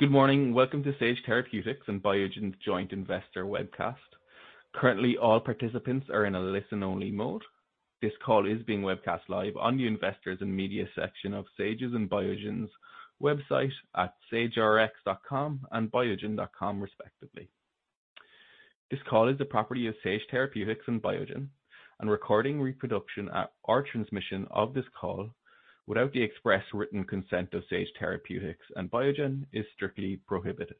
Good morning. Welcome to Sage Therapeutics and Biogen's joint investor webcast. Currently, all participants are in a listen-only mode. This call is being webcast live on the Investors and Media section of Sage's and Biogen's website at sagerx.com and biogen.com respectively. This call is the property of Sage Therapeutics and Biogen. Recording, reproduction, or transmission of this call without the express written consent of Sage Therapeutics and Biogen is strictly prohibited.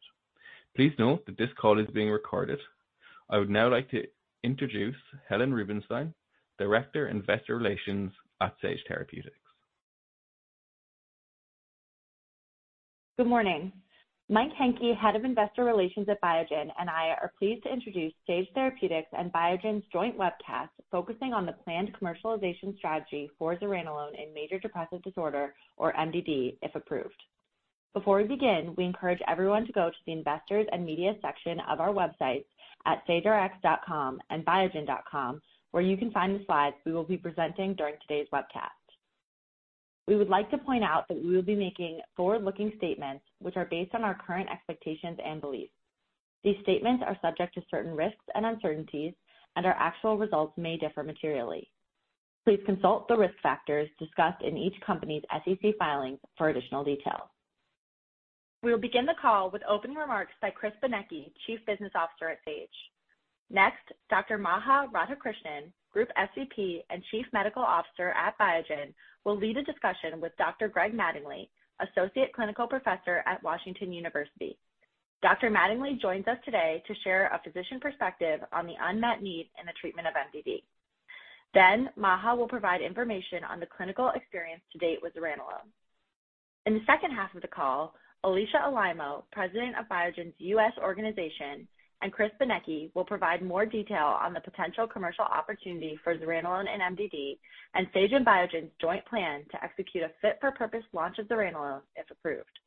Please note that this call is being recorded. I would now like to introduce Helen Rubinstein, Director, Investor Relations at Sage Therapeutics. Good morning. Mike Hencke, Head of Investor Relations at Biogen, and I are pleased to introduce Sage Therapeutics and Biogen's joint webcast focusing on the planned commercialization strategy for zuranolone in major depressive disorder or MDD, if approved. Before we begin, we encourage everyone to go to the Investors and Media section of our websites at sagerx.com and biogen.com, where you can find the slides we will be presenting during today's webcast. We would like to point out that we will be making forward-looking statements which are based on our current expectations and beliefs. These statements are subject to certain risks and uncertainties, and our actual results may differ materially. Please consult the risk factors discussed in each company's SEC filings for additional detail. We will begin the call with opening remarks by Chris Benecchi, Chief Business Officer at Sage. Next, Dr. Maha Radhakrishnan, Group SVP and Chief Medical Officer at Biogen, will lead a discussion with Dr. Greg Mattingly, Associate Clinical Professor at Washington University. Dr. Mattingly joins us today to share a physician perspective on the unmet need in the treatment of MDD. Maha will provide information on the clinical experience to date with zuranolone. In the second half of the call, Alisha Alaimo, President of Biogen's U.S. organization, and Chris Benecchi will provide more detail on the potential commercial opportunity for zuranolone and MDD and Sage and Biogen's joint plan to execute a fit-for-purpose launch of zuranolone, if approved.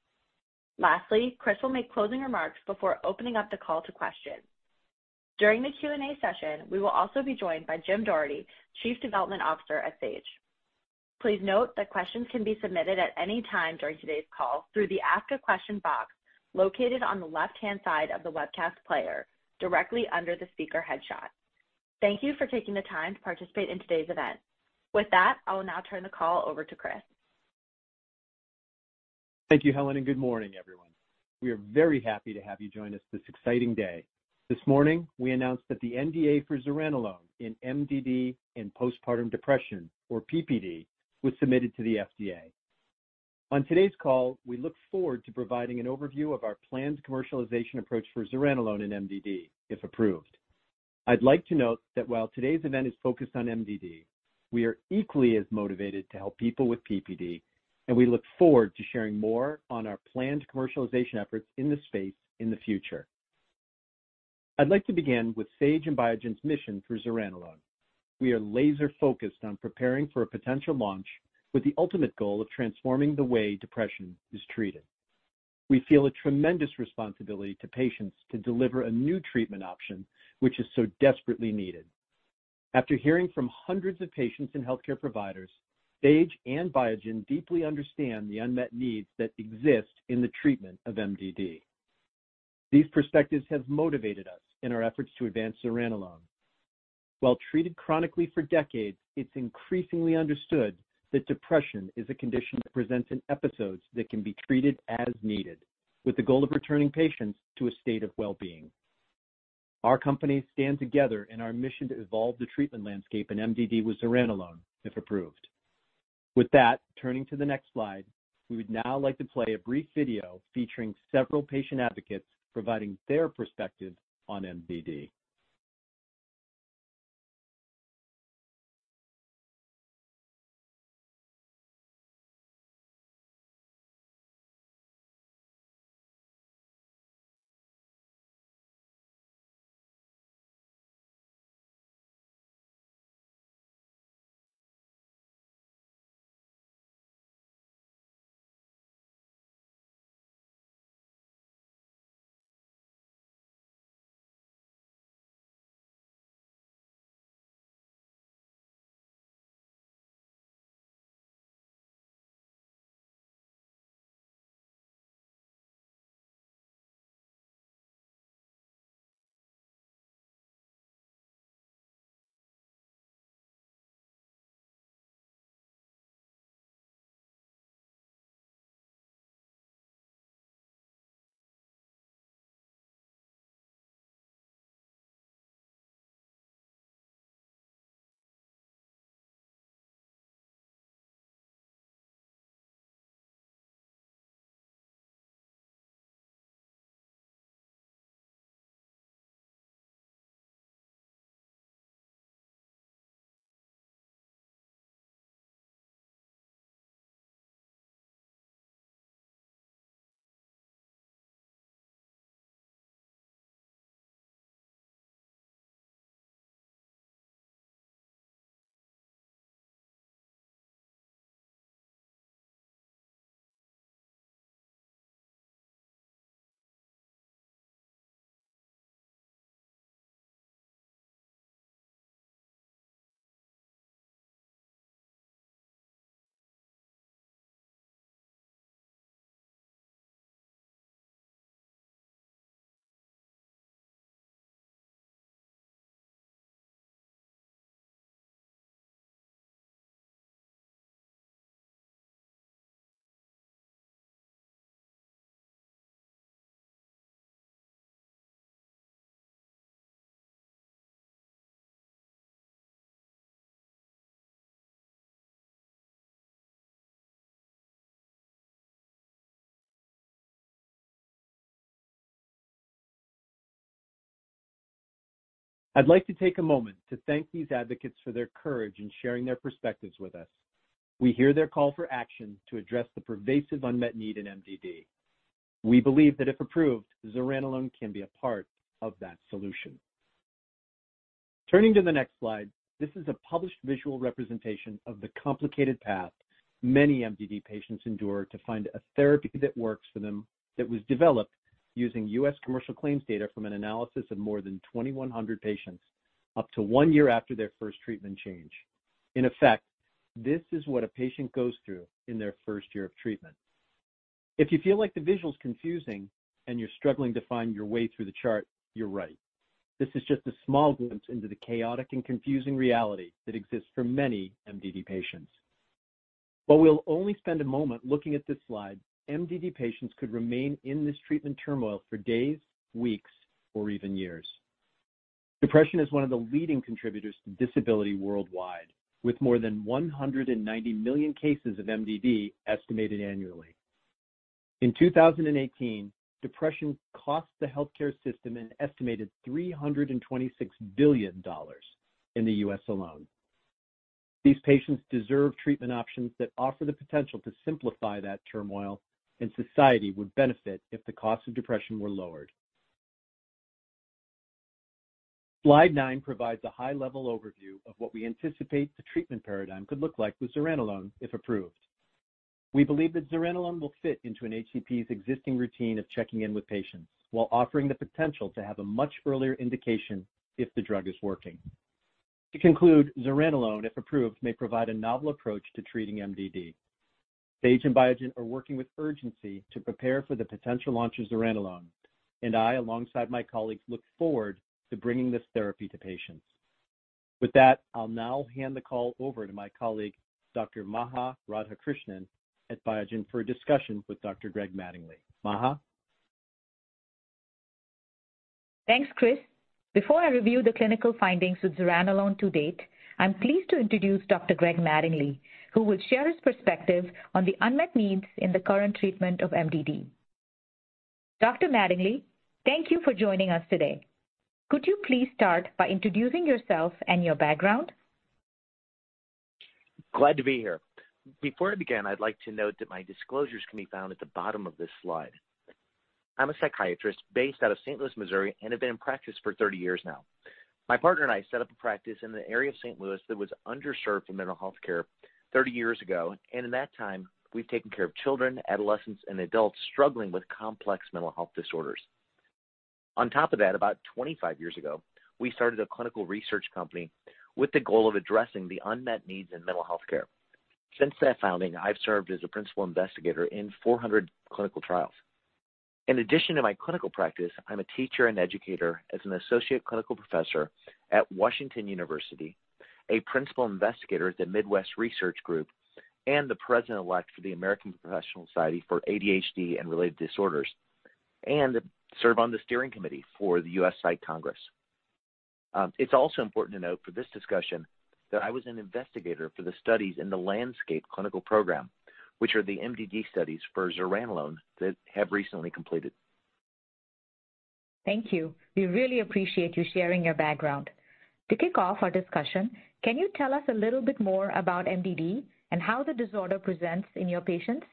Lastly, Chris will make closing remarks before opening up the call to questions. During the Q&A session, we will also be joined by Jim Doherty, Chief Development Officer at Sage. Please note that questions can be submitted at any time during today's call through the Ask a Question box located on the left-hand side of the webcast player directly under the speaker headshot. Thank you for taking the time to participate in today's event. With that, I will now turn the call over to Chris. Thank you, Helen, and good morning, everyone. We are very happy to have you join us this exciting day. This morning, we announced that the NDA for zuranolone in MDD and postpartum depression, or PPD, was submitted to the FDA. On today's call, we look forward to providing an overview of our planned commercialization approach for zuranolone and MDD, if approved. I'd like to note that while today's event is focused on MDD, we are equally as motivated to help people with PPD, and we look forward to sharing more on our planned commercialization efforts in this space in the future. I'd like to begin with Sage and Biogen's mission for zuranolone. We are laser-focused on preparing for a potential launch with the ultimate goal of transforming the way depression is treated. We feel a tremendous responsibility to patients to deliver a new treatment option which is so desperately needed. After hearing from hundreds of patients and healthcare providers, Sage and Biogen deeply understand the unmet needs that exist in the treatment of MDD. These perspectives have motivated us in our efforts to advance zuranolone. While treated chronically for decades, it's increasingly understood that depression is a condition that presents in episodes that can be treated as needed, with the goal of returning patients to a state of wellbeing. Our companies stand together in our mission to evolve the treatment landscape in MDD with zuranolone, if approved. With that, turning to the next slide, we would now like to play a brief video featuring several patient advocates providing their perspective on MDD. I'd like to take a moment to thank these advocates for their courage in sharing their perspectives with us. We hear their call for action to address the pervasive unmet need in MDD. We believe that if approved, zuranolone can be a part of that solution. Turning to the next slide, this is a published visual representation of the complicated path many MDD patients endure to find a therapy that works for them that was developed using U.S. commercial claims data from an analysis of more than 2,100 patients up to one year after their first treatment change. In effect, this is what a patient goes through in their first year of treatment. If you feel like the visual is confusing and you're struggling to find your way through the chart, you're right. This is just a small glimpse into the chaotic and confusing reality that exists for many MDD patients. While we'll only spend a moment looking at this slide, MDD patients could remain in this treatment turmoil for days, weeks, or even years. Depression is one of the leading contributors to disability worldwide, with more than 190 million cases of MDD estimated annually. In 2018, depression cost the healthcare system an estimated $326 billion in the U.S. alone. These patients deserve treatment options that offer the potential to simplify that turmoil, and society would benefit if the cost of depression were lowered. Slide nine provides a high-level overview of what we anticipate the treatment paradigm could look like with zuranolone if approved. We believe that zuranolone will fit into an HCP's existing routine of checking in with patients while offering the potential to have a much earlier indication if the drug is working. To conclude, zuranolone, if approved, may provide a novel approach to treating MDD. Sage and Biogen are working with urgency to prepare for the potential launch of zuranolone, and I, alongside my colleagues, look forward to bringing this therapy to patients. With that, I'll now hand the call over to my colleague, Dr. Maha Radhakrishnan at Biogen for a discussion with Dr. Greg Mattingly. Maha? Thanks, Chris. Before I review the clinical findings with zuranolone to date, I'm pleased to introduce Dr. Greg Mattingly, who will share his perspective on the unmet needs in the current treatment of MDD. Dr. Mattingly, thank you for joining us today. Could you please start by introducing yourself and your background? Glad to be here. Before I begin, I'd like to note that my disclosures can be found at the bottom of this slide. I'm a psychiatrist based out of St. Louis, Missouri, and have been in practice for 30 years now. My partner and I set up a practice in the area of St. Louis that was underserved for mental health care 30 years ago, and in that time, we've taken care of children, adolescents, and adults struggling with complex mental health disorders. On top of that, about 25 years ago, we started a clinical research company with the goal of addressing the unmet needs in mental health care. Since that founding, I've served as a principal investigator in 400 clinical trials. In addition to my clinical practice, I'm a teacher and educator as an associate clinical professor at Washington University, a principal investigator at the Midwest Research Group, and the president-elect for the American Professional Society of ADHD and Related Disorders, and serve on the steering committee for the Psych Congress. It's also important to note for this discussion that I was an investigator for the studies in the LANDSCAPE Clinical Program, which are the MDD studies for zuranolone that have recently completed. Thank you. We really appreciate you sharing your background. To kick off our discussion, can you tell us a little bit more about MDD and how the disorder presents in your patients?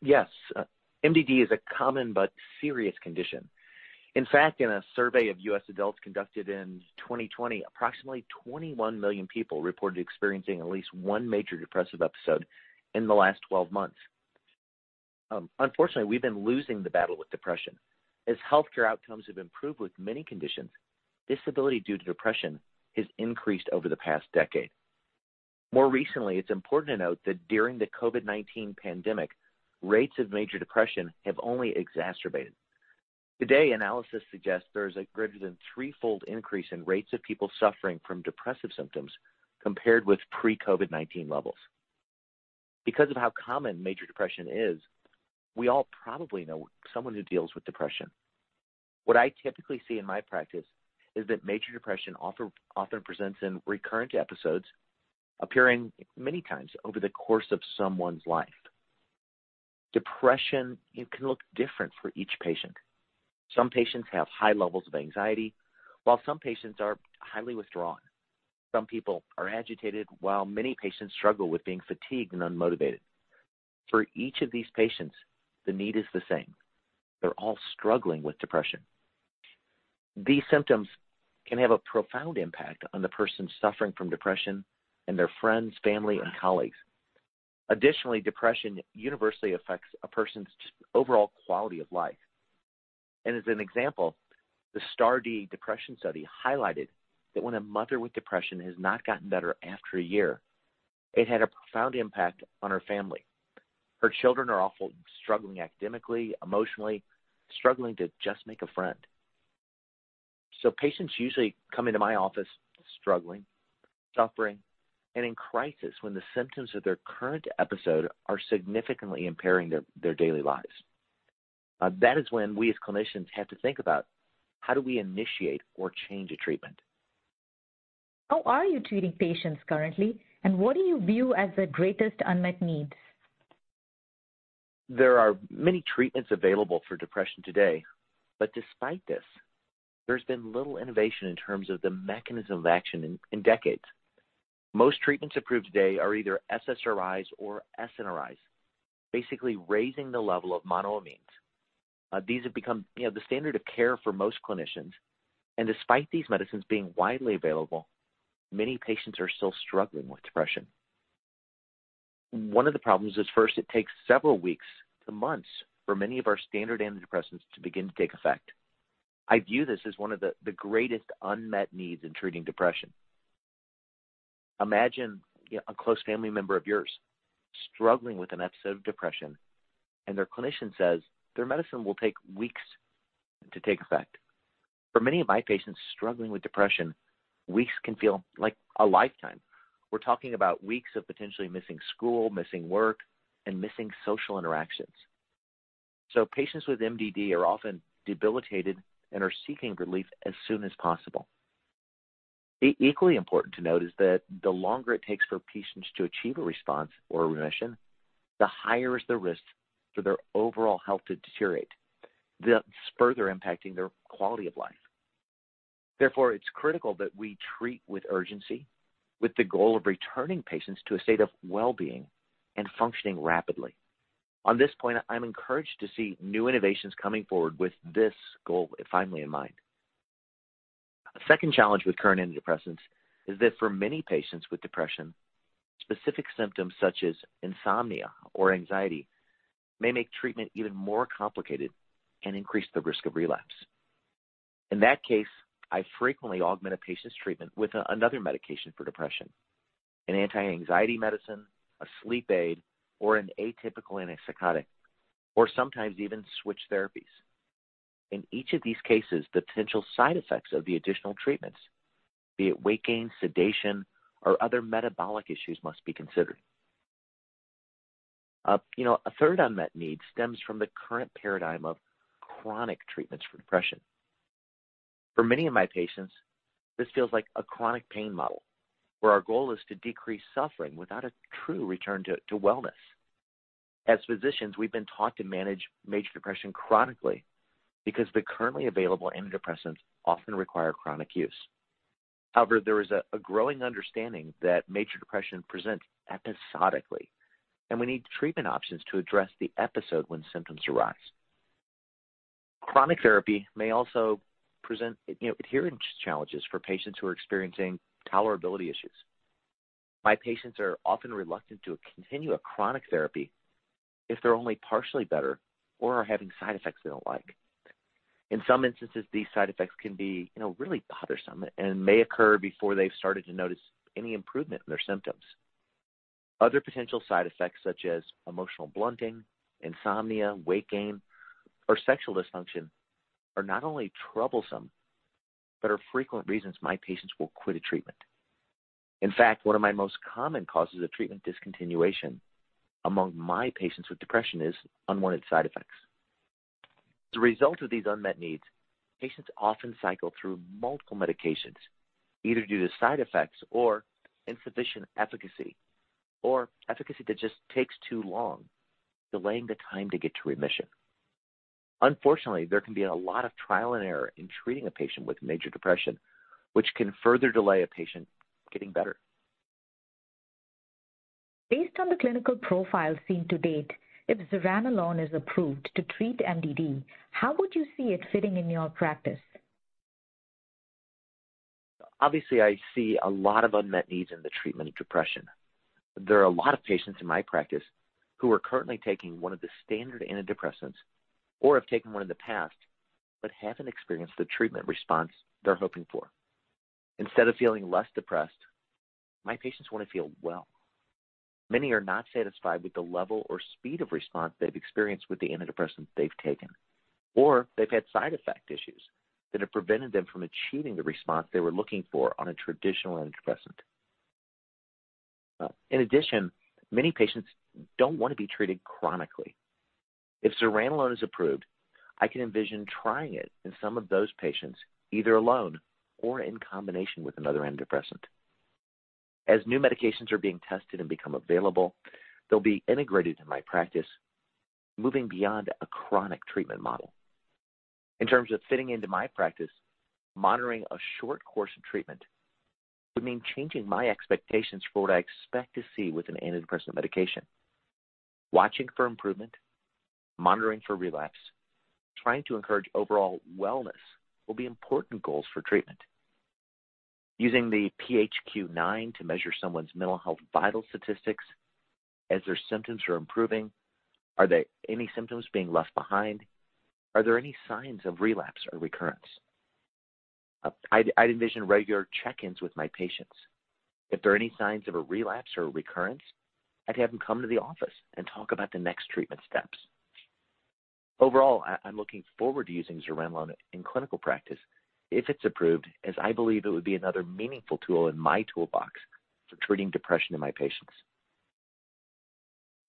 Yes. MDD is a common but serious condition. In fact, in a survey of U.S. adults conducted in 2020, approximately 21 million people reported experiencing at least one major depressive episode in the last 12 months. Unfortunately, we've been losing the battle with depression. As healthcare outcomes have improved with many conditions, disability due to depression has increased over the past decade. More recently, it's important to note that during the COVID-19 pandemic, rates of major depression have only exacerbated. Today, analysis suggests there is a greater than threefold increase in rates of people suffering from depressive symptoms compared with pre-COVID-19 levels. Because of how common major depression is, we all probably know someone who deals with depression. What I typically see in my practice is that major depression often presents in recurrent episodes appearing many times over the course of someone's life. Depression, it can look different for each patient. Some patients have high levels of anxiety, while some patients are highly withdrawn. Some people are agitated, while many patients struggle with being fatigued and unmotivated. For each of these patients, the need is the same. They're all struggling with depression. These symptoms can have a profound impact on the person suffering from depression and their friends, family, and colleagues. Additionally, depression universally affects a person's overall quality of life. As an example, the STAR*D depression study highlighted that when a mother with depression has not gotten better after a year, it had a profound impact on her family. Her children are also struggling academically, emotionally, struggling to just make a friend. Patients usually come into my office struggling, suffering, and in crisis when the symptoms of their current episode are significantly impairing their daily lives. That is when we as clinicians have to think about how do we initiate or change a treatment. How are you treating patients currently, and what do you view as the greatest unmet needs? There are many treatments available for depression today, but despite this, there's been little innovation in terms of the mechanism of action in decades. Most treatments approved today are either SSRIs or SNRIs, basically raising the level of monoamines. These have become, you know, the standard of care for most clinicians. Despite these medicines being widely available, many patients are still struggling with depression. One of the problems is first, it takes several weeks to months for many of our standard antidepressants to begin to take effect. I view this as one of the greatest unmet needs in treating depression. Imagine a close family member of yours struggling with an episode of depression and their clinician says their medicine will take weeks to take effect. For many of my patients struggling with depression, weeks can feel like a lifetime. We're talking about weeks of potentially missing school, missing work, and missing social interactions. Patients with MDD are often debilitated and are seeking relief as soon as possible. Equally important to note is that the longer it takes for patients to achieve a response or a remission, the higher is the risk for their overall health to deteriorate, thus further impacting their quality of life. It's critical that we treat with urgency with the goal of returning patients to a state of well-being and functioning rapidly. On this point, I'm encouraged to see new innovations coming forward with this goal finally in mind. A second challenge with current antidepressants is that for many patients with depression, specific symptoms such as insomnia or anxiety may make treatment even more complicated and increase the risk of relapse. In that case, I frequently augment a patient's treatment with another medication for depression, an anti-anxiety medicine, a sleep aid, or an atypical antipsychotic, or sometimes even switch therapies. In each of these cases, the potential side effects of the additional treatments, be it weight gain, sedation, or other metabolic issues, must be considered. You know, a third unmet need stems from the current paradigm of chronic treatments for depression. For many of my patients, this feels like a chronic pain model where our goal is to decrease suffering without a true return to wellness. As physicians, we've been taught to manage major depression chronically because the currently available antidepressants often require chronic use. However, there is a growing understanding that major depression presents episodically, and we need treatment options to address the episode when symptoms arise. Chronic therapy may also present, you know, adherence challenges for patients who are experiencing tolerability issues. My patients are often reluctant to continue a chronic therapy if they're only partially better or are having side effects they don't like. In some instances, these side effects can be, you know, really bothersome and may occur before they've started to notice any improvement in their symptoms. Other potential side effects, such as emotional blunting, insomnia, weight gain, or sexual dysfunction, are not only troublesome, but are frequent reasons my patients will quit a treatment. In fact, one of my most common causes of treatment discontinuation among my patients with depression is unwanted side effects. As a result of these unmet needs, patients often cycle through multiple medications, either due to side effects or insufficient efficacy or efficacy that just takes too long, delaying the time to get to remission. Unfortunately, there can be a lot of trial and error in treating a patient with major depression, which can further delay a patient getting better. Based on the clinical profile seen to date, if zuranolone is approved to treat MDD, how would you see it fitting in your practice? Obviously, I see a lot of unmet needs in the treatment of depression. There are a lot of patients in my practice who are currently taking one of the standard antidepressants or have taken one in the past but haven't experienced the treatment response they're hoping for. Instead of feeling less depressed, my patients want to feel well. Many are not satisfied with the level or speed of response they've experienced with the antidepressant they've taken, or they've had side effect issues that have prevented them from achieving the response they were looking for on a traditional antidepressant. In addition, many patients don't want to be treated chronically. If zuranolone is approved, I can envision trying it in some of those patients, either alone or in combination with another antidepressant. As new medications are being tested and become available, they'll be integrated into my practice, moving beyond a chronic treatment model. In terms of fitting into my practice, monitoring a short course of treatment would mean changing my expectations for what I expect to see with an antidepressant medication. Watching for improvement, monitoring for relapse, trying to encourage overall wellness will be important goals for treatment. Using the PHQ-9 to measure someone's mental health vital statistics as their symptoms are improving, are there any symptoms being left behind? Are there any signs of relapse or recurrence? I'd envision regular check-ins with my patients. If there are any signs of a relapse or recurrence, I'd have them come to the office and talk about the next treatment steps. Overall, I'm looking forward to using zuranolone in clinical practice if it's approved, as I believe it would be another meaningful tool in my toolbox for treating depression in my patients.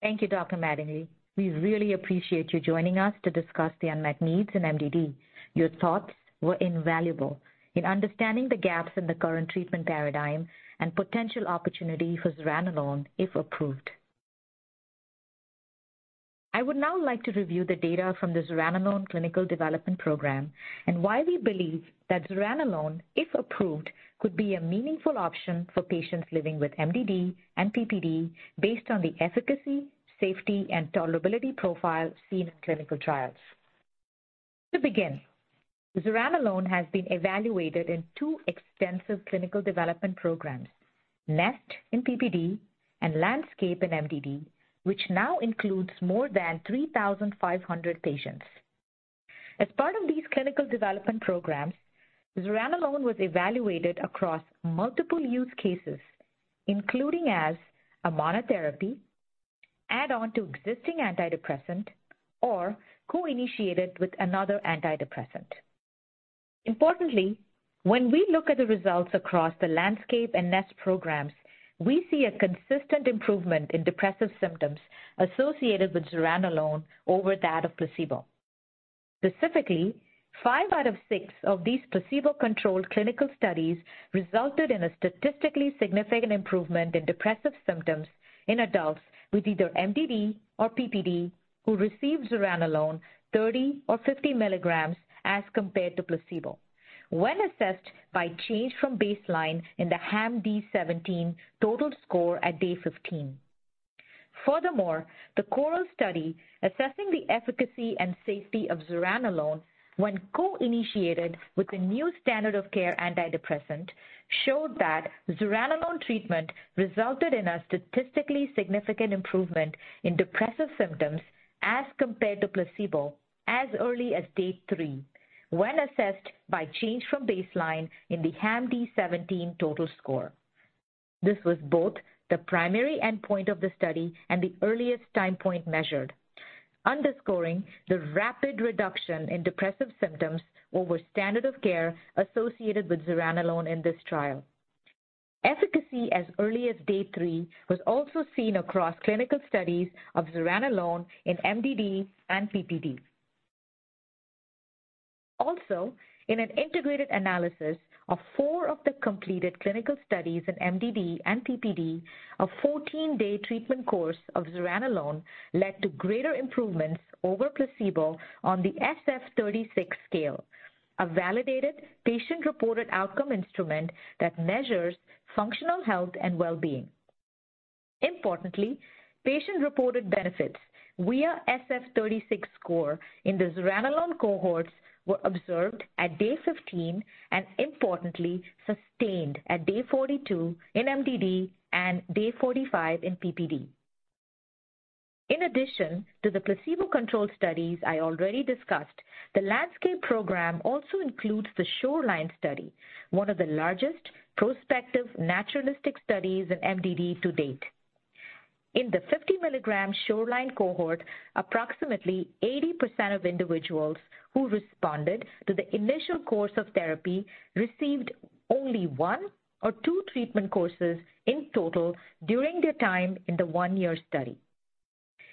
Thank you, Dr. Mattingly. We really appreciate you joining us to discuss the unmet needs in MDD. Your thoughts were invaluable in understanding the gaps in the current treatment paradigm and potential opportunity for zuranolone if approved. I would now like to review the data from the zuranolone clinical development program and why we believe that zuranolone, if approved, could be a meaningful option for patients living with MDD and PPD based on the efficacy, safety, and tolerability profile seen in clinical trials. Zuranolone has been evaluated in two extensive clinical development programs, NEST in PPD and LANDSCAPE in MDD, which now includes more than 3,500 patients. As part of these clinical development programs, zuranolone was evaluated across multiple use cases, including as a monotherapy, add-on to existing antidepressant, or co-initiated with another antidepressant. Importantly, when we look at the results across the LANDSCAPE and NEST programs, we see a consistent improvement in depressive symptoms associated with zuranolone over that of placebo. Specifically, five out of six of these placebo-controlled clinical studies resulted in a statistically significant improvement in depressive symptoms in adults with either MDD or PPD who received zuranolone 30 or 50 milligrams as compared to placebo when assessed by change from baseline in the HAMD-17 total score at day 15. Furthermore, the CORAL Study assessing the efficacy and safety of zuranolone when co-initiated with the new standard of care antidepressant showed that zuranolone treatment resulted in a statistically significant improvement in depressive symptoms as compared to placebo as early as day three when assessed by change from baseline in the HAMD-17 total score. This was both the primary endpoint of the study and the earliest time point measured, underscoring the rapid reduction in depressive symptoms over standard of care associated with zuranolone in this trial. Efficacy as early as day three was also seen across clinical studies of zuranolone in MDD and PPD. In an integrated analysis of four of the completed clinical studies in MDD and PPD, a 14-day treatment course of zuranolone led to greater improvements over placebo on the SF-36 scale, a validated patient-reported outcome instrument that measures functional health and well-being. Importantly, patient-reported benefits via SF-36 score in the zuranolone cohorts were observed at day 15 and importantly sustained at day 42 in MDD and day 45 in PPD. In addition to the placebo-controlled studies I already discussed, the LANDSCAPE program also includes the SHORELINE Study, one of the largest prospective naturalistic studies in MDD to date. In the 50 mg SHORELINE cohort, approximately 80% of individuals who responded to the initial course of therapy received only one or two treatment courses in total during their time in the one-year study.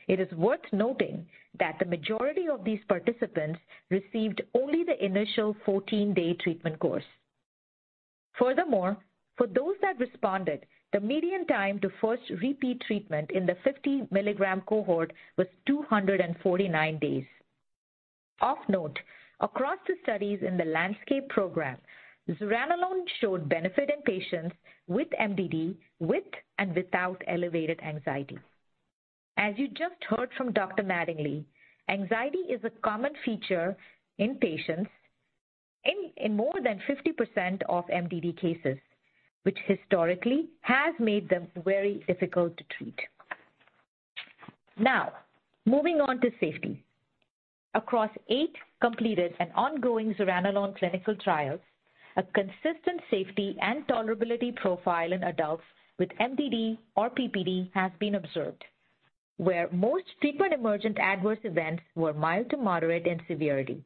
It is worth noting that the majority of these participants received only the initial 14-day treatment course. For those that responded, the median time to first repeat treatment in the 50 mg cohort was 249 days. Of note, across the studies in the LANDSCAPE program, zuranolone showed benefit in patients with MDD with and without elevated anxiety. As you just heard from Dr. Mattingly, anxiety is a common feature in patients in more than 50% of MDD cases, which historically has made them very difficult to treat. Moving on to safety. Across eight completed and ongoing zuranolone clinical trials, a consistent safety and tolerability profile in adults with MDD or PPD has been observed, where most frequent emergent adverse events were mild to moderate in severity.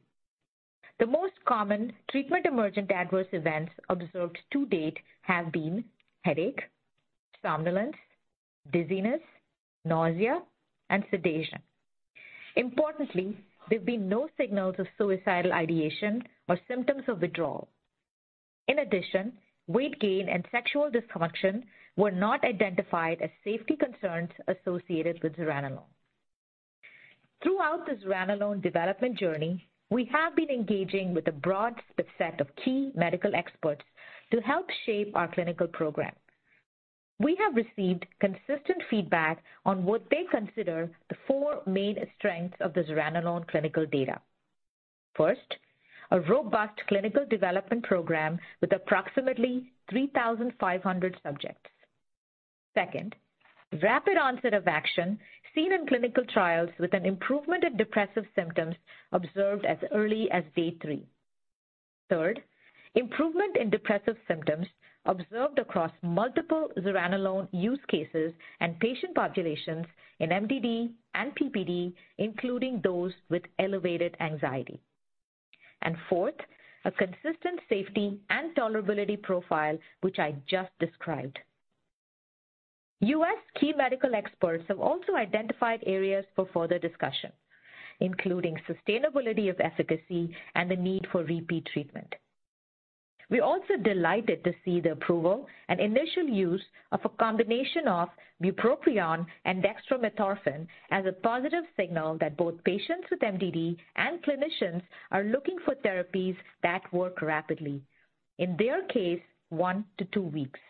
The most common treatment-emergent adverse events observed to date have been headache, somnolence, dizziness, nausea, and sedation. Importantly, there have been no signals of suicidal ideation or symptoms of withdrawal. In addition, weight gain and sexual dysfunction were not identified as safety concerns associated with zuranolone. Throughout the zuranolone development journey, we have been engaging with a broad set of key medical experts to help shape our clinical program. We have received consistent feedback on what they consider the four main strengths of the zuranolone clinical data. First, a robust clinical development program with approximately 3,500 subjects. Second, rapid onset of action seen in clinical trials with an improvement in depressive symptoms observed as early as day three. Third, improvement in depressive symptoms observed across multiple zuranolone use cases and patient populations in MDD and PPD, including those with elevated anxiety. Fourth, a consistent safety and tolerability profile, which I just described. U.S. key medical experts have also identified areas for further discussion, including sustainability of efficacy and the need for repeat treatment. We're also delighted to see the approval and initial use of a combination of bupropion and dextromethorphan as a positive signal that both patients with MDD and clinicians are looking for therapies that work rapidly, in their case, 1-2 weeks.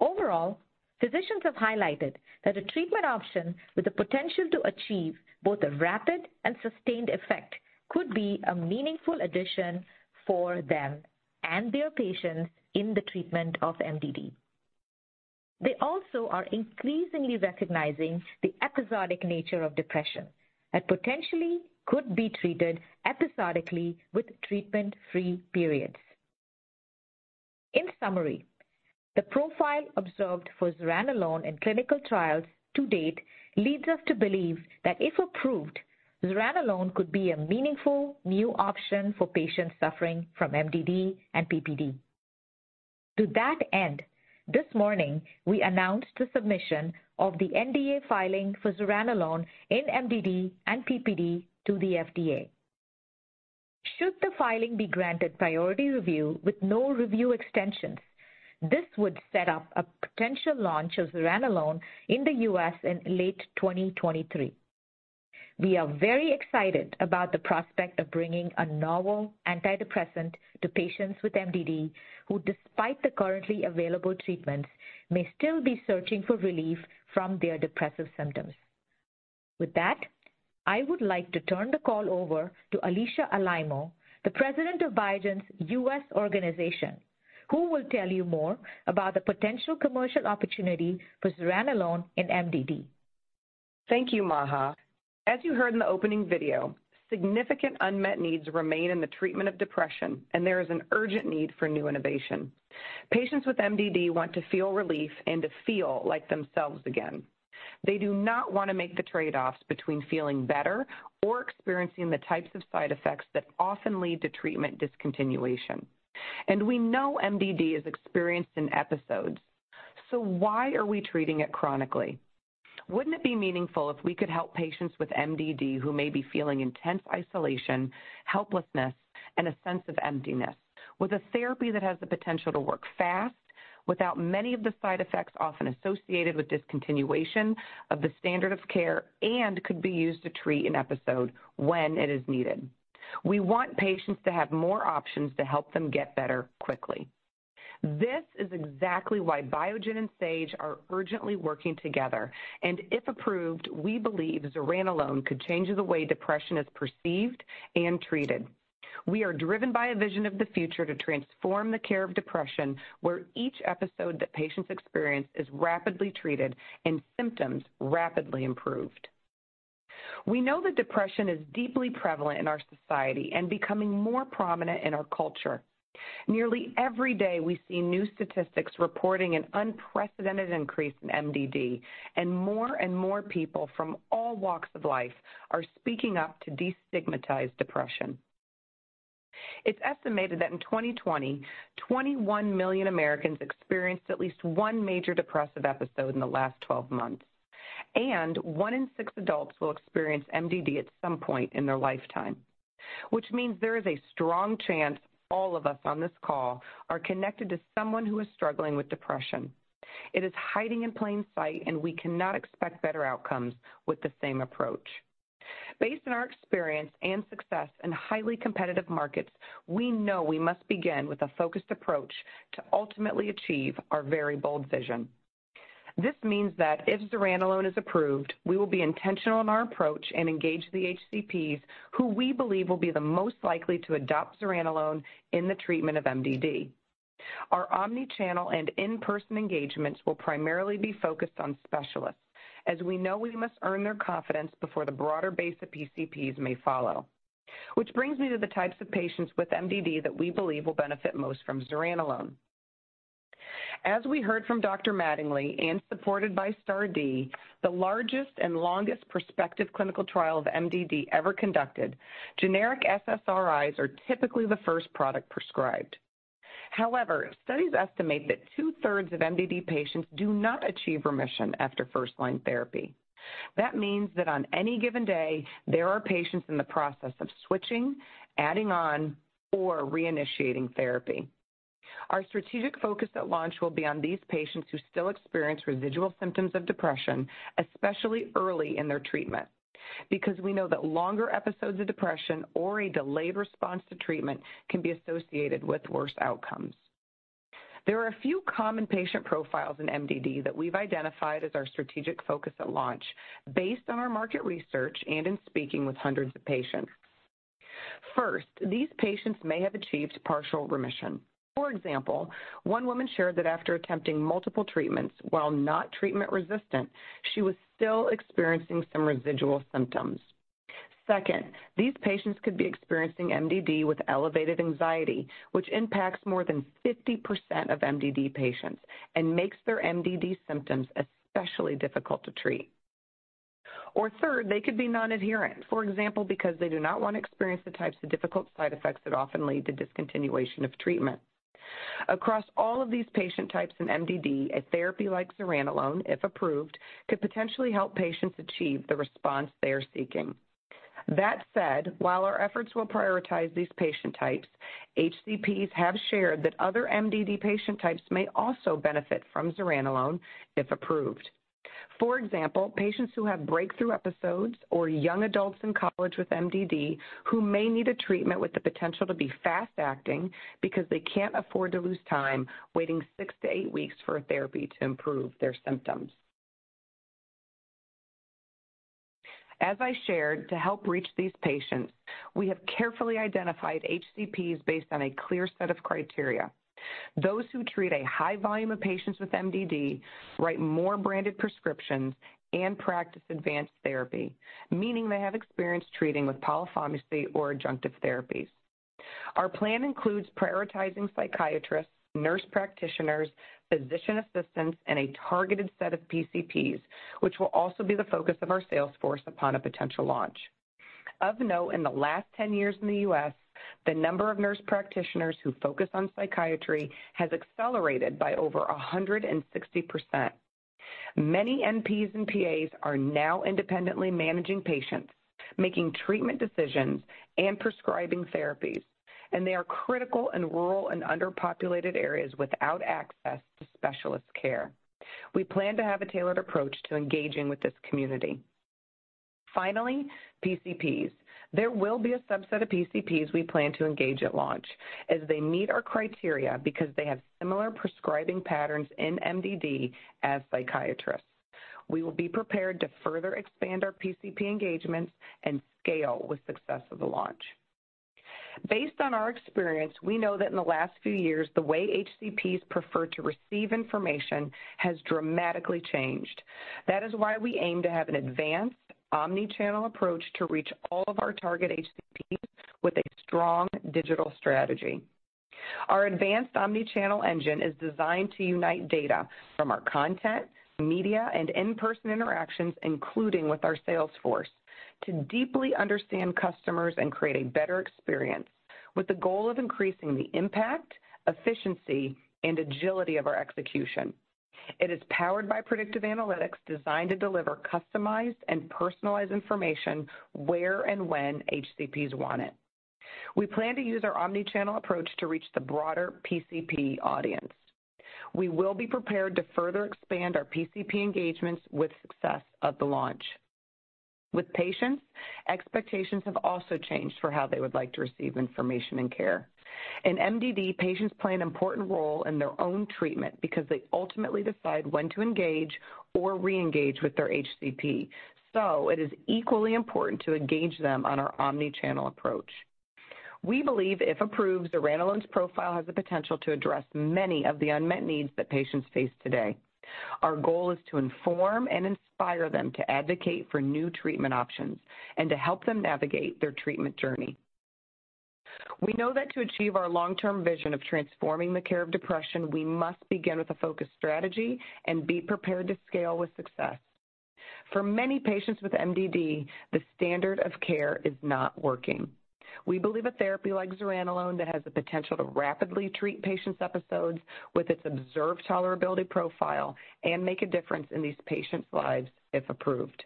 Overall, physicians have highlighted that a treatment option with the potential to achieve both a rapid and sustained effect could be a meaningful addition for them and their patients in the treatment of MDD. They also are increasingly recognizing the episodic nature of depression that potentially could be treated episodically with treatment-free periods. In summary, the profile observed for zuranolone in clinical trials to date leads us to believe that if approved, zuranolone could be a meaningful new option for patients suffering from MDD and PPD. To that end, this morning we announced the submission of the NDA filing for zuranolone in MDD and PPD to the FDA. Should the filing be granted priority review with no review extensions, this would set up a potential launch of zuranolone in the U.S. in late 2023. We are very excited about the prospect of bringing a novel antidepressant to patients with MDD who, despite the currently available treatments, may still be searching for relief from their depressive symptoms. With that, I would like to turn the call over to Alisha Alaimo, the President of Biogen's U.S. organization, who will tell you more about the potential commercial opportunity for zuranolone in MDD. Thank you, Maha. As you heard in the opening video, significant unmet needs remain in the treatment of depression, and there is an urgent need for new innovation. Patients with MDD want to feel relief and to feel like themselves again. They do not want to make the trade-offs between feeling better or experiencing the types of side effects that often lead to treatment discontinuation. We know MDD is experienced in episodes. Why are we treating it chronically? Wouldn't it be meaningful if we could help patients with MDD who may be feeling intense isolation, helplessness, and a sense of emptiness with a therapy that has the potential to work fast without many of the side effects often associated with discontinuation of the standard of care and could be used to treat an episode when it is needed? We want patients to have more options to help them get better quickly. This is exactly why Biogen and Sage are urgently working together, and if approved, we believe zuranolone could change the way depression is perceived and treated. We are driven by a vision of the future to transform the care of depression, where each episode that patients experience is rapidly treated and symptoms rapidly improved. We know that depression is deeply prevalent in our society and becoming more prominent in our culture. Nearly every day we see new statistics reporting an unprecedented increase in MDD, and more and more people from all walks of life are speaking up to destigmatize depression. It's estimated that in 2020, 21 million Americans experienced at least one major depressive episode in the last 12 months. One in six adults will experience MDD at some point in their lifetime, which means there is a strong chance all of us on this call are connected to someone who is struggling with depression. It is hiding in plain sight, and we cannot expect better outcomes with the same approach. Based on our experience and success in highly competitive markets, we know we must begin with a focused approach to ultimately achieve our very bold vision. This means that if zuranolone is approved, we will be intentional in our approach and engage the HCPs who we believe will be the most likely to adopt zuranolone in the treatment of MDD. Our omni-channel and in-person engagements will primarily be focused on specialists, as we know we must earn their confidence before the broader base of PCPs may follow. Brings me to the types of patients with MDD that we believe will benefit most from zuranolone. As we heard from Dr. Mattingly and supported by STAR*D, the largest and longest prospective clinical trial of MDD ever conducted, generic SSRIs are typically the first product prescribed. However, studies estimate that two-thirds of MDD patients do not achieve remission after first-line therapy. That means that on any given day, there are patients in the process of switching, adding on, or reinitiating therapy. Our strategic focus at launch will be on these patients who still experience residual symptoms of depression, especially early in their treatment, because we know that longer episodes of depression or a delayed response to treatment can be associated with worse outcomes. There are a few common patient profiles in MDD that we've identified as our strategic focus at launch based on our market research and in speaking with hundreds of patients. First, these patients may have achieved partial remission. For example, one woman shared that after attempting multiple treatments, while not treatment resistant, she was still experiencing some residual symptoms. Second, these patients could be experiencing MDD with elevated anxiety, which impacts more than 50% of MDD patients and makes their MDD symptoms especially difficult to treat. Third, they could be non-adherent, for example, because they do not want to experience the types of difficult side effects that often lead to discontinuation of treatment. Across all of these patient types in MDD, a therapy like zuranolone, if approved, could potentially help patients achieve the response they are seeking. That said, while our efforts will prioritize these patient types, HCPs have shared that other MDD patient types may also benefit from zuranolone if approved. For example, patients who have breakthrough episodes or young adults in college with MDD who may need a treatment with the potential to be fast-acting because they can't afford to lose time waiting six to eight weeks for a therapy to improve their symptoms. As I shared, to help reach these patients, we have carefully identified HCPs based on a clear set of criteria. Those who treat a high volume of patients with MDD write more branded prescriptions and practice advanced therapy, meaning they have experience treating with polypharmacy or adjunctive therapies. Our plan includes prioritizing psychiatrists, nurse practitioners, physician assistants, and a targeted set of PCPs, which will also be the focus of our sales force upon a potential launch. Of note, in the last 10 years in the U.S., the number of nurse practitioners who focus on psychiatry has accelerated by over 160%. Many NPs and PAs are now independently managing patients, making treatment decisions, and prescribing therapies, and they are critical in rural and underpopulated areas without access to specialist care. We plan to have a tailored approach to engaging with this community. Finally, PCPs. There will be a subset of PCPs we plan to engage at launch as they meet our criteria because they have similar prescribing patterns in MDD as psychiatrists. We will be prepared to further expand our PCP engagements and scale with success of the launch. Based on our experience, we know that in the last few years, the way HCPs prefer to receive information has dramatically changed. That is why we aim to have an advanced omnichannel approach to reach all of our target HCPs with a strong digital strategy. Our advanced omnichannel engine is designed to unite data from our content, media, and in-person interactions, including with our sales force, to deeply understand customers and create a better experience with the goal of increasing the impact, efficiency, and agility of our execution. It is powered by predictive analytics designed to deliver customized and personalized information where and when HCPs want it. We plan to use our omni-channel approach to reach the broader PCP audience. We will be prepared to further expand our PCP engagements with success of the launch. With patients, expectations have also changed for how they would like to receive information and care. In MDD, patients play an important role in their own treatment because they ultimately decide when to engage or re-engage with their HCP, so it is equally important to engage them on our omni-channel approach. We believe, if approved, zuranolone's profile has the potential to address many of the unmet needs that patients face today. Our goal is to inform and inspire them to advocate for new treatment options and to help them navigate their treatment journey. We know that to achieve our long-term vision of transforming the care of depression, we must begin with a focused strategy and be prepared to scale with success. For many patients with MDD, the standard of care is not working. We believe a therapy like zuranolone that has the potential to rapidly treat patients' episodes with its observed tolerability profile and make a difference in these patients' lives if approved.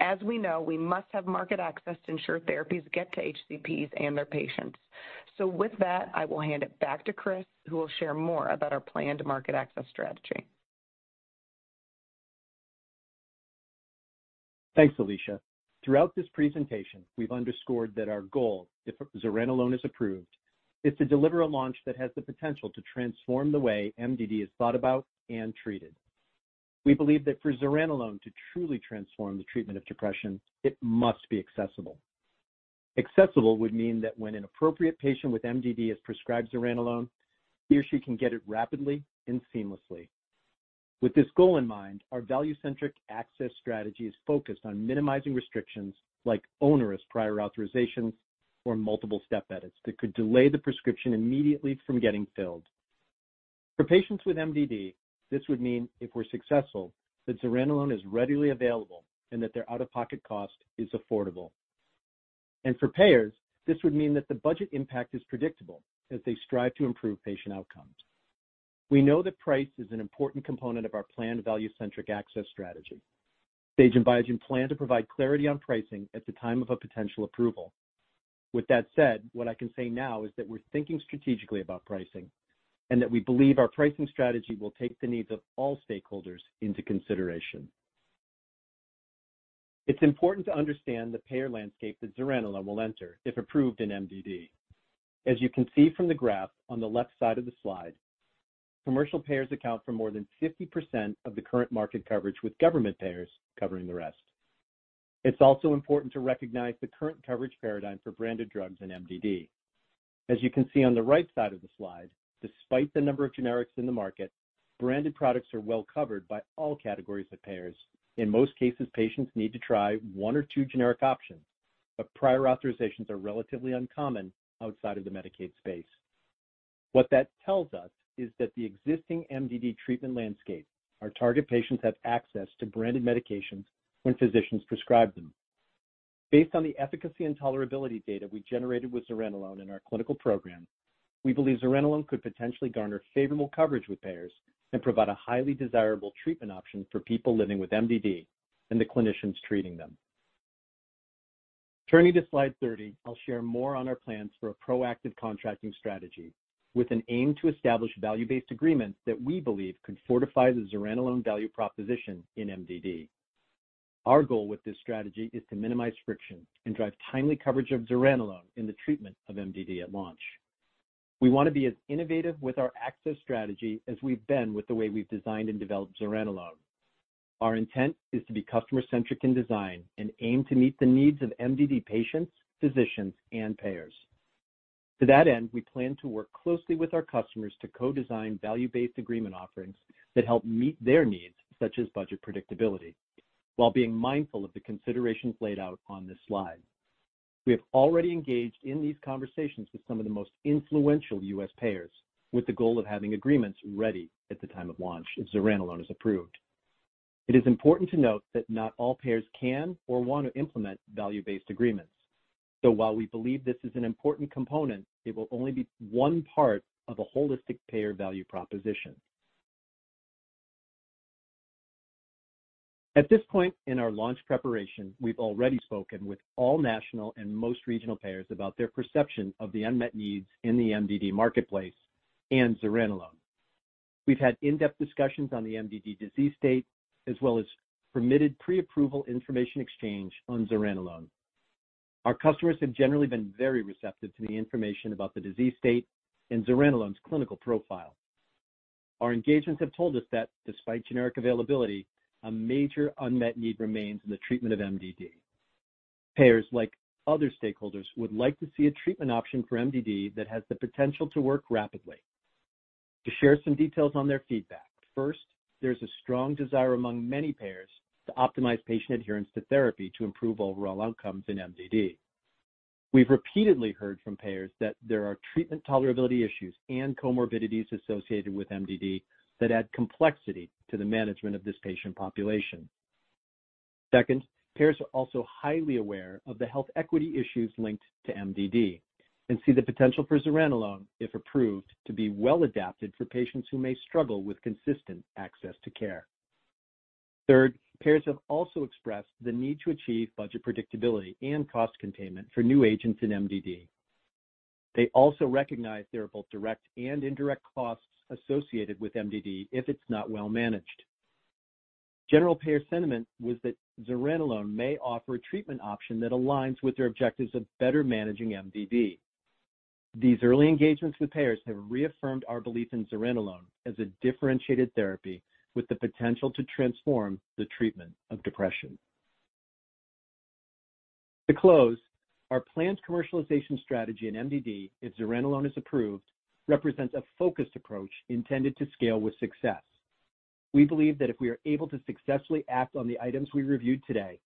As we know, we must have market access to ensure therapies get to HCPs and their patients. With that, I will hand it back to Chris, who will share more about our plan to market access strategy. Thanks, Alisha. Throughout this presentation, we've underscored that our goal, if zuranolone is approved, is to deliver a launch that has the potential to transform the way MDD is thought about and treated. We believe that for zuranolone to truly transform the treatment of depression, it must be accessible. Accessible would mean that when an appropriate patient with MDD is prescribed zuranolone, he or she can get it rapidly and seamlessly. With this goal in mind, our value-centric access strategy is focused on minimizing restrictions like onerous prior authorizations or multiple step edits that could delay the prescription immediately from getting filled. For patients with MDD, this would mean, if we're successful, that zuranolone is readily available and that their out-of-pocket cost is affordable. For payers, this would mean that the budget impact is predictable as they strive to improve patient outcomes. We know that price is an important component of our planned value-centric access strategy. Sage and Biogen plan to provide clarity on pricing at the time of a potential approval. With that said, what I can say now is that we're thinking strategically about pricing and that we believe our pricing strategy will take the needs of all stakeholders into consideration. It's important to understand the payer landscape that zuranolone will enter if approved in MDD. As you can see from the graph on the left side of the slide, commercial payers account for more than 50% of the current market coverage, with government payers covering the rest. It's also important to recognize the current coverage paradigm for branded drugs in MDD. As you can see on the right side of the slide, despite the number of generics in the market, branded products are well covered by all categories of payers. In most cases, patients need to try one or two generic options, but prior authorizations are relatively uncommon outside of the Medicaid space. What that tells us is that the existing MDD treatment landscape, our target patients have access to branded medications when physicians prescribe them. Based on the efficacy and tolerability data we generated with zuranolone in our clinical program, we believe zuranolone could potentially garner favorable coverage with payers and provide a highly desirable treatment option for people living with MDD and the clinicians treating them. Turning to slide 30, I'll share more on our plans for a proactive contracting strategy with an aim to establish value-based agreements that we believe could fortify the zuranolone value proposition in MDD. Our goal with this strategy is to minimize friction and drive timely coverage of zuranolone in the treatment of MDD at launch. We want to be as innovative with our access strategy as we've been with the way we've designed and developed zuranolone. Our intent is to be customer-centric in design and aim to meet the needs of MDD patients, physicians, and payers. To that end, we plan to work closely with our customers to co-design value-based agreement offerings that help meet their needs, such as budget predictability, while being mindful of the considerations laid out on this slide. We have already engaged in these conversations with some of the most influential U.S. payers with the goal of having agreements ready at the time of launch if zuranolone is approved. It is important to note that not all payers can or want to implement value-based agreements. While we believe this is an important component, it will only be one part of a holistic payer value proposition. At this point in our launch preparation, we've already spoken with all national and most regional payers about their perception of the unmet needs in the MDD marketplace and zuranolone. We've had in-depth discussions on the MDD disease state, as well as permitted pre-approval information exchange on zuranolone. Our customers have generally been very receptive to the information about the disease state and zuranolone's clinical profile. Our engagements have told us that despite generic availability, a major unmet need remains in the treatment of MDD. Payers, like other stakeholders, would like to see a treatment option for MDD that has the potential to work rapidly. To share some details on their feedback. First, there's a strong desire among many payers to optimize patient adherence to therapy to improve overall outcomes in MDD. We've repeatedly heard from payers that there are treatment tolerability issues and comorbidities associated with MDD that add complexity to the management of this patient population. Second, payers are also highly aware of the health equity issues linked to MDD and see the potential for zuranolone, if approved, to be well adapted for patients who may struggle with consistent access to care. Third, payers have also expressed the need to achieve budget predictability and cost containment for new agents in MDD. They also recognize there are both direct and indirect costs associated with MDD if it's not well managed. General payer sentiment was that zuranolone may offer a treatment option that aligns with their objectives of better managing MDD. These early engagements with payers have reaffirmed our belief in zuranolone as a differentiated therapy with the potential to transform the treatment of depression. To close, our planned commercialization strategy in MDD, if zuranolone is approved, represents a focused approach intended to scale with success. We believe that if we are able to successfully act on the items we reviewed today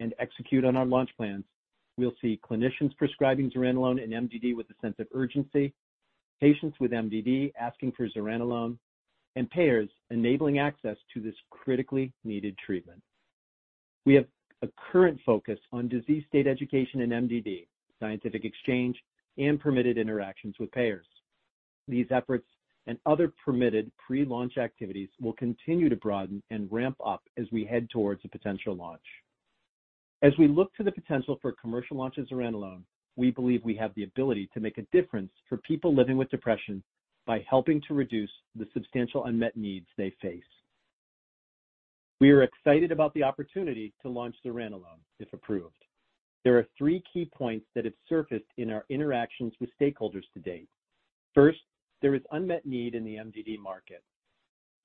and execute on our launch plans, we'll see clinicians prescribing zuranolone and MDD with a sense of urgency, patients with MDD asking for zuranolone, and payers enabling access to this critically needed treatment. We have a current focus on disease state education and MDD, scientific exchange, and permitted interactions with payers. These efforts and other permitted pre-launch activities will continue to broaden and ramp up as we head towards a potential launch. As we look to the potential for commercial launch of zuranolone, we believe we have the ability to make a difference for people living with depression by helping to reduce the substantial unmet needs they face. We are excited about the opportunity to launch zuranolone, if approved. There are three key points that have surfaced in our interactions with stakeholders to date. First, there is unmet need in the MDD market.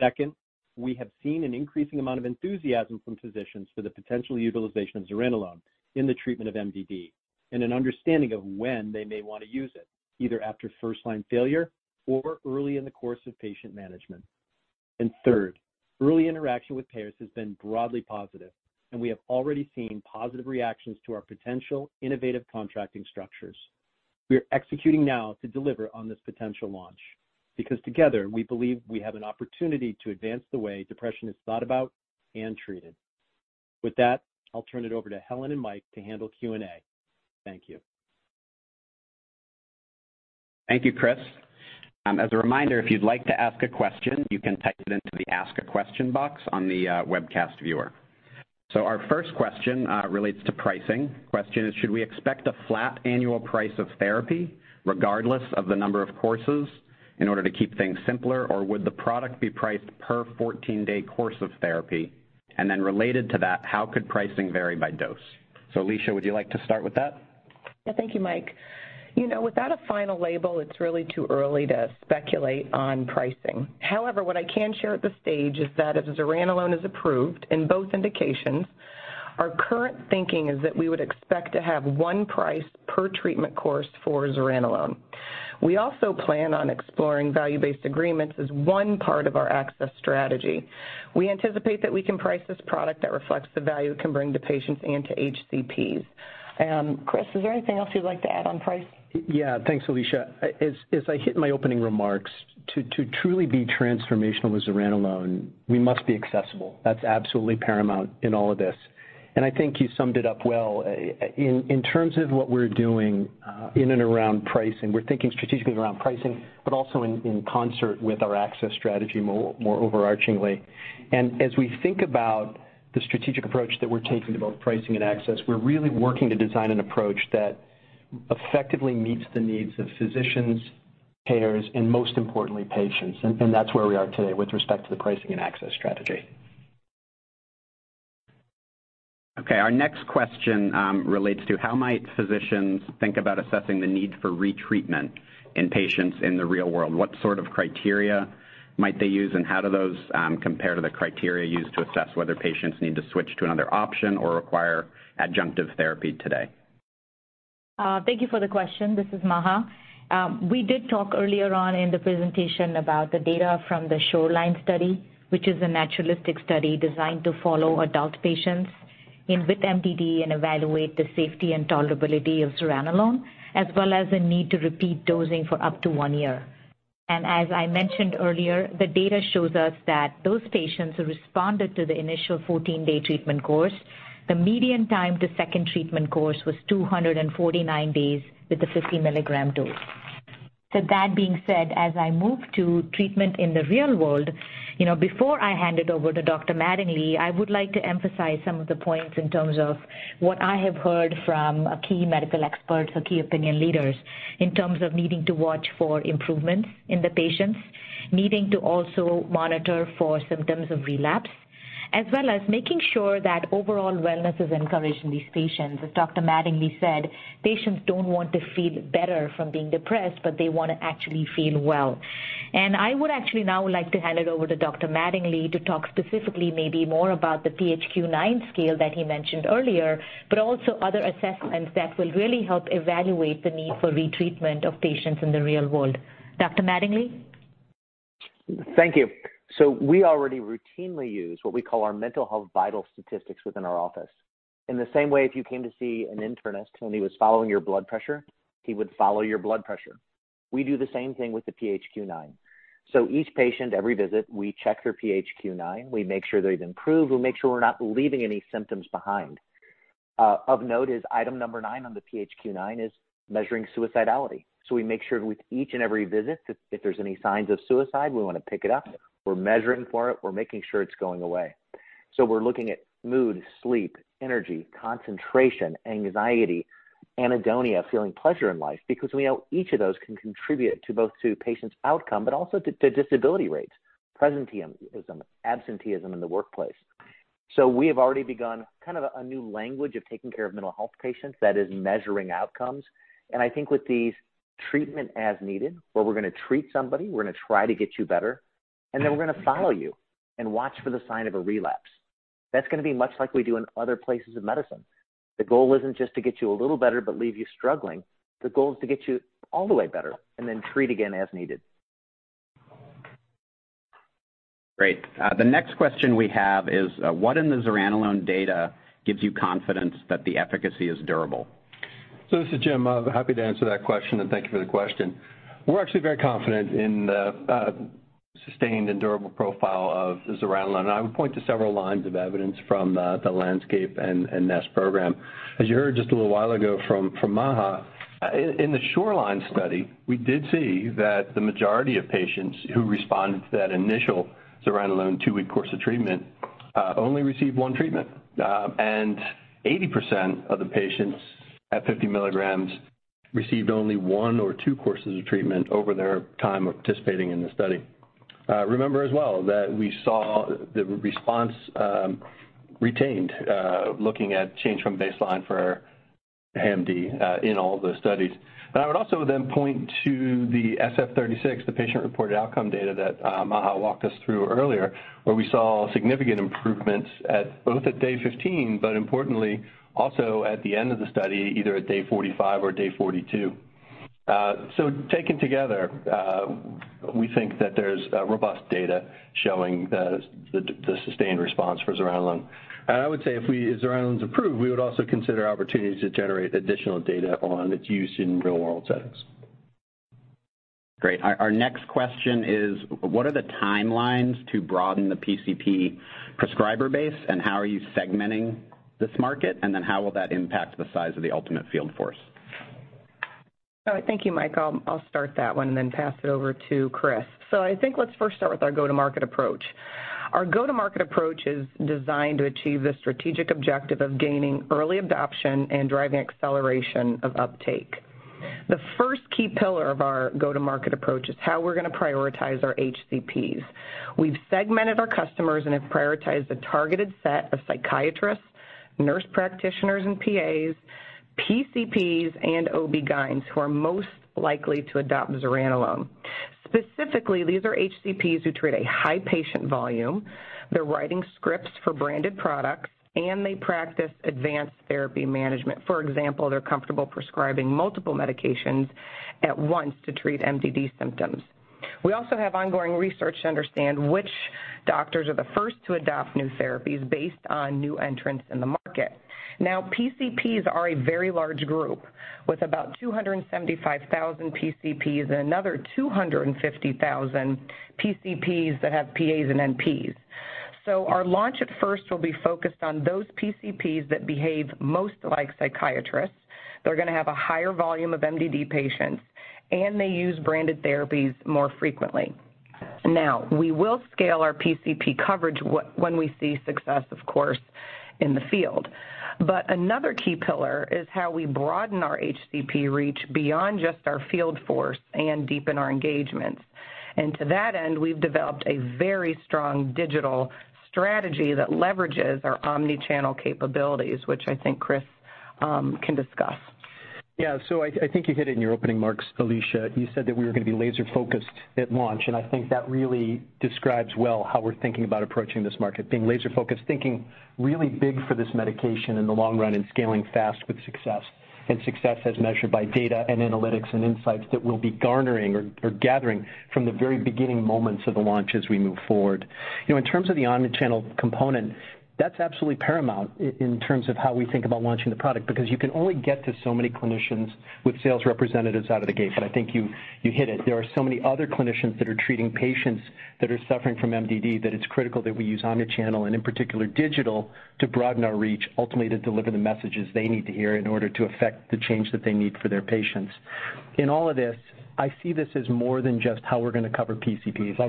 Second, we have seen an increasing amount of enthusiasm from physicians for the potential utilization of zuranolone in the treatment of MDD and an understanding of when they may want to use it, either after first-line failure or early in the course of patient management. Third, early interaction with payers has been broadly positive, and we have already seen positive reactions to our potential innovative contracting structures. We are executing now to deliver on this potential launch because together we believe we have an opportunity to advance the way depression is thought about and treated. With that, I'll turn it over to Helen and Mike to handle Q&A. Thank you. Thank you, Chris. As a reminder, if you'd like to ask a question, you can type it into the Ask a Question box on the webcast viewer. Our first question relates to pricing. Question is, should we expect a flat annual price of therapy regardless of the number of courses in order to keep things simpler, or would the product be priced per 14-day course of therapy? Related to that, how could pricing vary by dose? Alisha, would you like to start with that? Yeah. Thank you, Mike. You know, without a final label, it's really too early to speculate on pricing. However, what I can share at this stage is that if zuranolone is approved in both indications, our current thinking is that we would expect to have one price per treatment course for zuranolone. We also plan on exploring value-based agreements as one part of our access strategy. We anticipate that we can price this product that reflects the value it can bring to patients and to HCPs. Chris, is there anything else you'd like to add on pricing? Yeah. Thanks, Alisha. As I hit in my opening remarks, to truly be transformational with zuranolone, we must be accessible. That's absolutely paramount in all of this, and I think you summed it up well. In terms of what we're doing, in and around pricing, we're thinking strategically around pricing, but also in concert with our access strategy more overarchingly. As we think about the strategic approach that we're taking to both pricing and access, we're really working to design an approach that effectively meets the needs of physicians, payers, and most importantly, patients. That's where we are today with respect to the pricing and access strategy. Our next question, relates to how might physicians think about assessing the need for retreatment in patients in the real world? What sort of criteria might they use, and how do those, compare to the criteria used to assess whether patients need to switch to another option or require adjunctive therapy today? Thank you for the question. This is Maha. We did talk earlier on in the presentation about the data from the SHORELINE Study, which is a naturalistic study designed to follow adult patients with MDD, and evaluate the safety and tolerability of zuranolone, as well as the need to repeat dosing for up to one year. As I mentioned earlier, the data shows us that those patients who responded to the initial 14-day treatment course, the median time to second treatment course was 249 days with a 50 milligram dose. That being said, as I move to treatment in the real world, you know, before I hand it over to Dr. Mattingly, I would like to emphasize some of the points in terms of what I have heard from key medical experts or key opinion leaders in terms of needing to watch for improvements in the patients, needing to also monitor for symptoms of relapse, as well as making sure that overall wellness is encouraged in these patients. As Dr. Mattingly said, "Patients don't want to feel better from being depressed, but they want to actually feel well." I would actually now like to hand it over to Dr. Mattingly to talk specifically maybe more about the PHQ-9 scale that he mentioned earlier, but also other assessments that will really help evaluate the need for retreatment of patients in the real world. Dr. Mattingly? Thank you. We already routinely use what we call our mental health vital statistics within our office. In the same way, if you came to see an internist and he was following your blood pressure, he would follow your blood pressure. We do the same thing with the PHQ-9. Each patient, every visit, we check their PHQ-9. We make sure they've improved. We make sure we're not leaving any symptoms behind. Of note is item number 9 on the PHQ-9 is measuring suicidality. We make sure with each and every visit, if there's any signs of suicide, we want to pick it up. We're measuring for it. We're making sure it's going away. We're looking at mood, sleep, energy, concentration, anxiety, anhedonia, feeling pleasure in life because we know each of those can contribute to both to patient's outcome, but also to disability rates, presenteeism, absenteeism in the workplace. We have already begun kind of a new language of taking care of mental health patients that is measuring outcomes. I think with these treatment as needed, where we're going to treat somebody, we're going to try to get you better, and then we're going to follow you and watch for the sign of a relapse. That's going to be much like we do in other places of medicine. The goal isn't just to get you a little better but leave you struggling. The goal is to get you all the way better and then treat again as needed. Great. The next question we have is, what in the zuranolone data gives you confidence that the efficacy is durable? This is Jim. I'm happy to answer that question. Thank you for the question. We're actually very confident in the sustained and durable profile of zuranolone. I would point to several lines of evidence from the LANDSCAPE and NEST program. As you heard just a little while ago from Maha, in the SHORELINE Study, we did see that the majority of patients who responded to that initial zuranolone two-week course of treatment only received one treatment. 80% of the patients at 50 milligrams received only one or two courses of treatment over their time of participating in the study. Remember as well that we saw the response retained looking at change from baseline for our HAMD in all the studies. I would also then point to the SF-36, the patient-reported outcome data that Maha walked us through earlier, where we saw significant improvements at both at day 15, but importantly, also at the end of the study, either at day 45 or day 42. Taken together, we think that there's robust data showing the sustained response for zuranolone. I would say if zuranolone's approved, we would also consider opportunities to generate additional data on its use in real-world settings. Great. Our next question is: What are the timelines to broaden the PCP prescriber base, and how are you segmenting this market? How will that impact the size of the ultimate field force? Thank you, Mike. I'll start that one and then pass it over to Chris. I think let's first start with our go-to-market approach. Our go-to-market approach is designed to achieve the strategic objective of gaining early adoption and driving acceleration of uptake. The first key pillar of our go-to-market approach is how we're going to prioritize our HCPs. We've segmented our customers and have prioritized a targeted set of psychiatrists, nurse practitioners and PAs, PCPs, and OB-GYNs who are most likely to adopt zuranolone. Specifically, these are HCPs who treat a high patient volume, they're writing scripts for branded products, and they practice advanced therapy management. For example, they're comfortable prescribing multiple medications at once to treat MDD symptoms. We also have ongoing research to understand which doctors are the first to adopt new therapies based on new entrants in the market. PCPs are a very large group with about 275,000 PCPs and another 250,000 PCPs that have PAs and NPs. Our launch at first will be focused on those PCPs that behave most like psychiatrists. They're going to have a higher volume of MDD patients, and they use branded therapies more frequently. We will scale our PCP coverage when we see success, of course, in the field. Another key pillar is how we broaden our HCP reach beyond just our field force and deepen our engagements. To that end, we've developed a very strong digital strategy that leverages our omni-channel capabilities, which I think Chris can discuss. Yeah. I think you hit it in your opening remarks, Alisha. You said that we were going to be laser-focused at launch, and I think that really describes well how we're thinking about approaching this market, being laser-focused, thinking really big for this medication in the long run and scaling fast with success. Success as measured by data and analytics and insights that we'll be garnering or gathering from the very beginning moments of the launch as we move forward. You know, in terms of the omni-channel component, that's absolutely paramount in terms of how we think about launching the product because you can only get to so many clinicians with sales representatives out of the gate. I think you hit it. There are so many other clinicians that are treating patients that are suffering from MDD that it's critical that we use omni-channel and in particular digital to broaden our reach ultimately to deliver the messages they need to hear in order to affect the change that they need for their patients. In all of this, I see this as more than just how we're going to cover PCPs.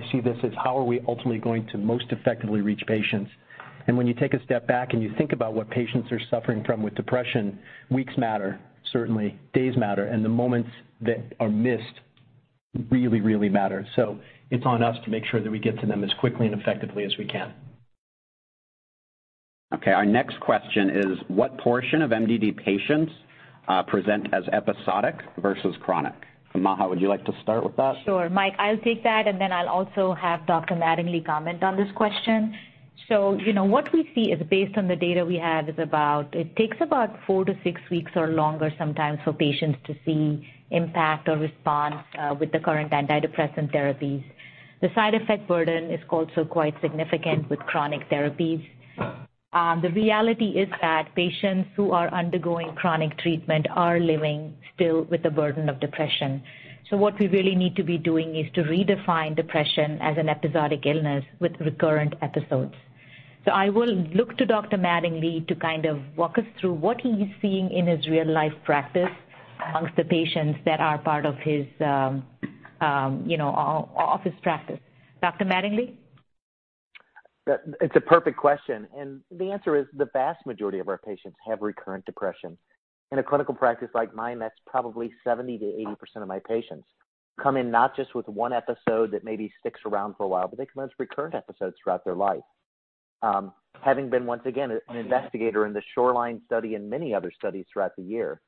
When you take a step back and you think about what patients are suffering from with depression, weeks matter, certainly days matter, and the moments that are missed really, really matter. It's on us to make sure that we get to them as quickly and effectively as we can. Okay. Our next question is what portion of MDD patients present as episodic versus chronic? Maha, would you like to start with that? Sure. Mike, I'll take that, and then I'll also have Dr. Mattingly comment on this question. You know, what we see is based on the data we have is about... it takes about 4-6 weeks or longer sometimes for patients to see impact or response with the current antidepressant therapies. The side effect burden is also quite significant with chronic therapies. The reality is that patients who are undergoing chronic treatment are living still with the burden of depression. What we really need to be doing is to redefine depression as an episodic illness with recurrent episodes. I will look to Dr. Mattingly to kind of walk us through what he's seeing in his real-life practice amongst the patients that are part of his, you know, office practice. Dr. Mattingly? It's a perfect question. The answer is the vast majority of our patients have recurrent depression. In a clinical practice like mine, that's probably 70%-80% of my patients come in not just with one episode that maybe sticks around for a while, but they come as recurrent episodes throughout their life. Having been once again, an investigator in the SHORELINE Study and many other studies throughout the year,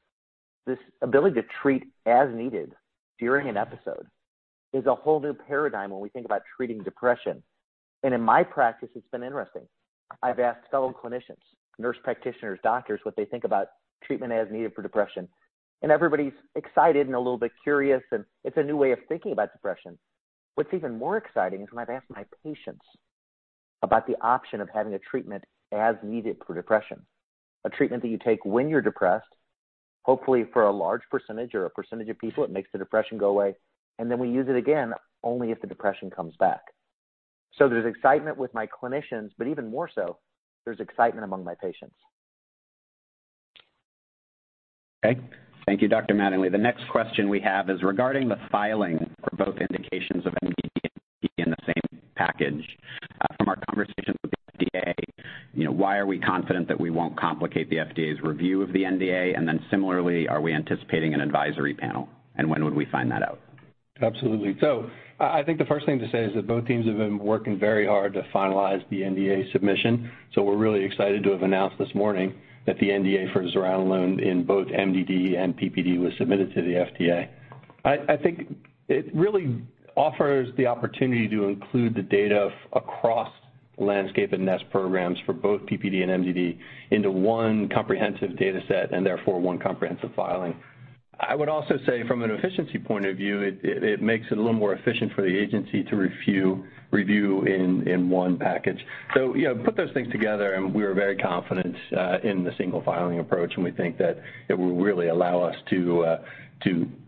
this ability to treat as needed during an episode is a whole new paradigm when we think about treating depression. In my practice, it's been interesting. I've asked fellow clinicians, nurse practitioners, doctors what they think about treatment as needed for depression. Everybody's excited and a little bit curious, and it's a new way of thinking about depression. What's even more exciting is when I've asked my patients about the option of having a treatment as needed for depression, a treatment that you take when you're depressed, hopefully for a large percentage or a percentage of people, it makes the depression go away. We use it again only if the depression comes back. There's excitement with my clinicians, but even more so, there's excitement among my patients. Okay. Thank you, Dr. Mattingly. The next question we have is regarding the filing for both indications of MDD and PPD in the same package. From our conversations with the FDA, you know, why are we confident that we won't complicate the FDA's review of the NDA? Similarly, are we anticipating an advisory panel? When would we find that out? Absolutely. I think the first thing to say is that both teams have been working very hard to finalize the NDA submission. We're really excited to have announced this morning that the NDA for zuranolone in both MDD and PPD was submitted to the FDA. I think it really offers the opportunity to include the data across LANDSCAPE and NEST programs for both PPD and MDD into one comprehensive data set and therefore one comprehensive filing. I would also say from an efficiency point of view, it makes it a little more efficient for the agency to review in one package. You know, put those things together, and we are very confident in the single filing approach, and we think that it will really allow us to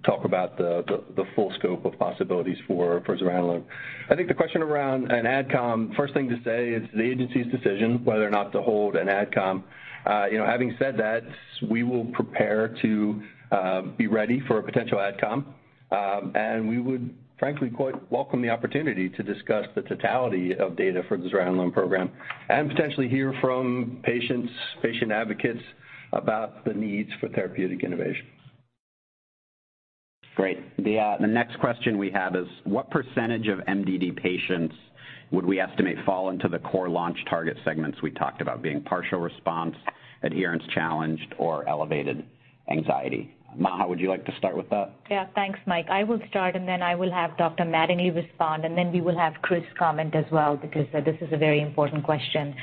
talk about the full scope of possibilities for zuranolone. I think the question around an AdCom, first thing to say is the agency's decision whether or not to hold an AdCom. You know, having said that, we will prepare to be ready for a potential AdCom. We would frankly quite welcome the opportunity to discuss the totality of data for the zuranolone program and potentially hear from patients, patient advocates about the needs for therapeutic innovation. Great. The next question we have is what percentage of MDD patients would we estimate fall into the core launch target segments we talked about being partial response, adherence challenged, or elevated anxiety? Maha, would you like to start with that? Yeah. Thanks, Mike. I will start, and then I will have Dr. Mattingly respond, and then we will have Chris comment as well because this is a very important question.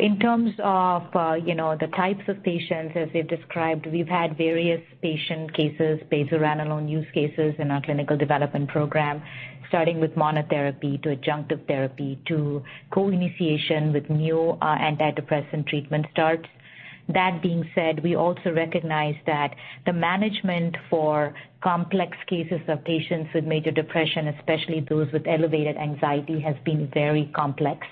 In terms of, you know, the types of patients as we've described, we've had various patient cases based around zuranolone use cases in our clinical development program, starting with monotherapy to adjunctive therapy to co-initiation with new antidepressant treatment starts. That being said, we also recognize that the management for complex cases of patients with major depression, especially those with elevated anxiety, has been very complex.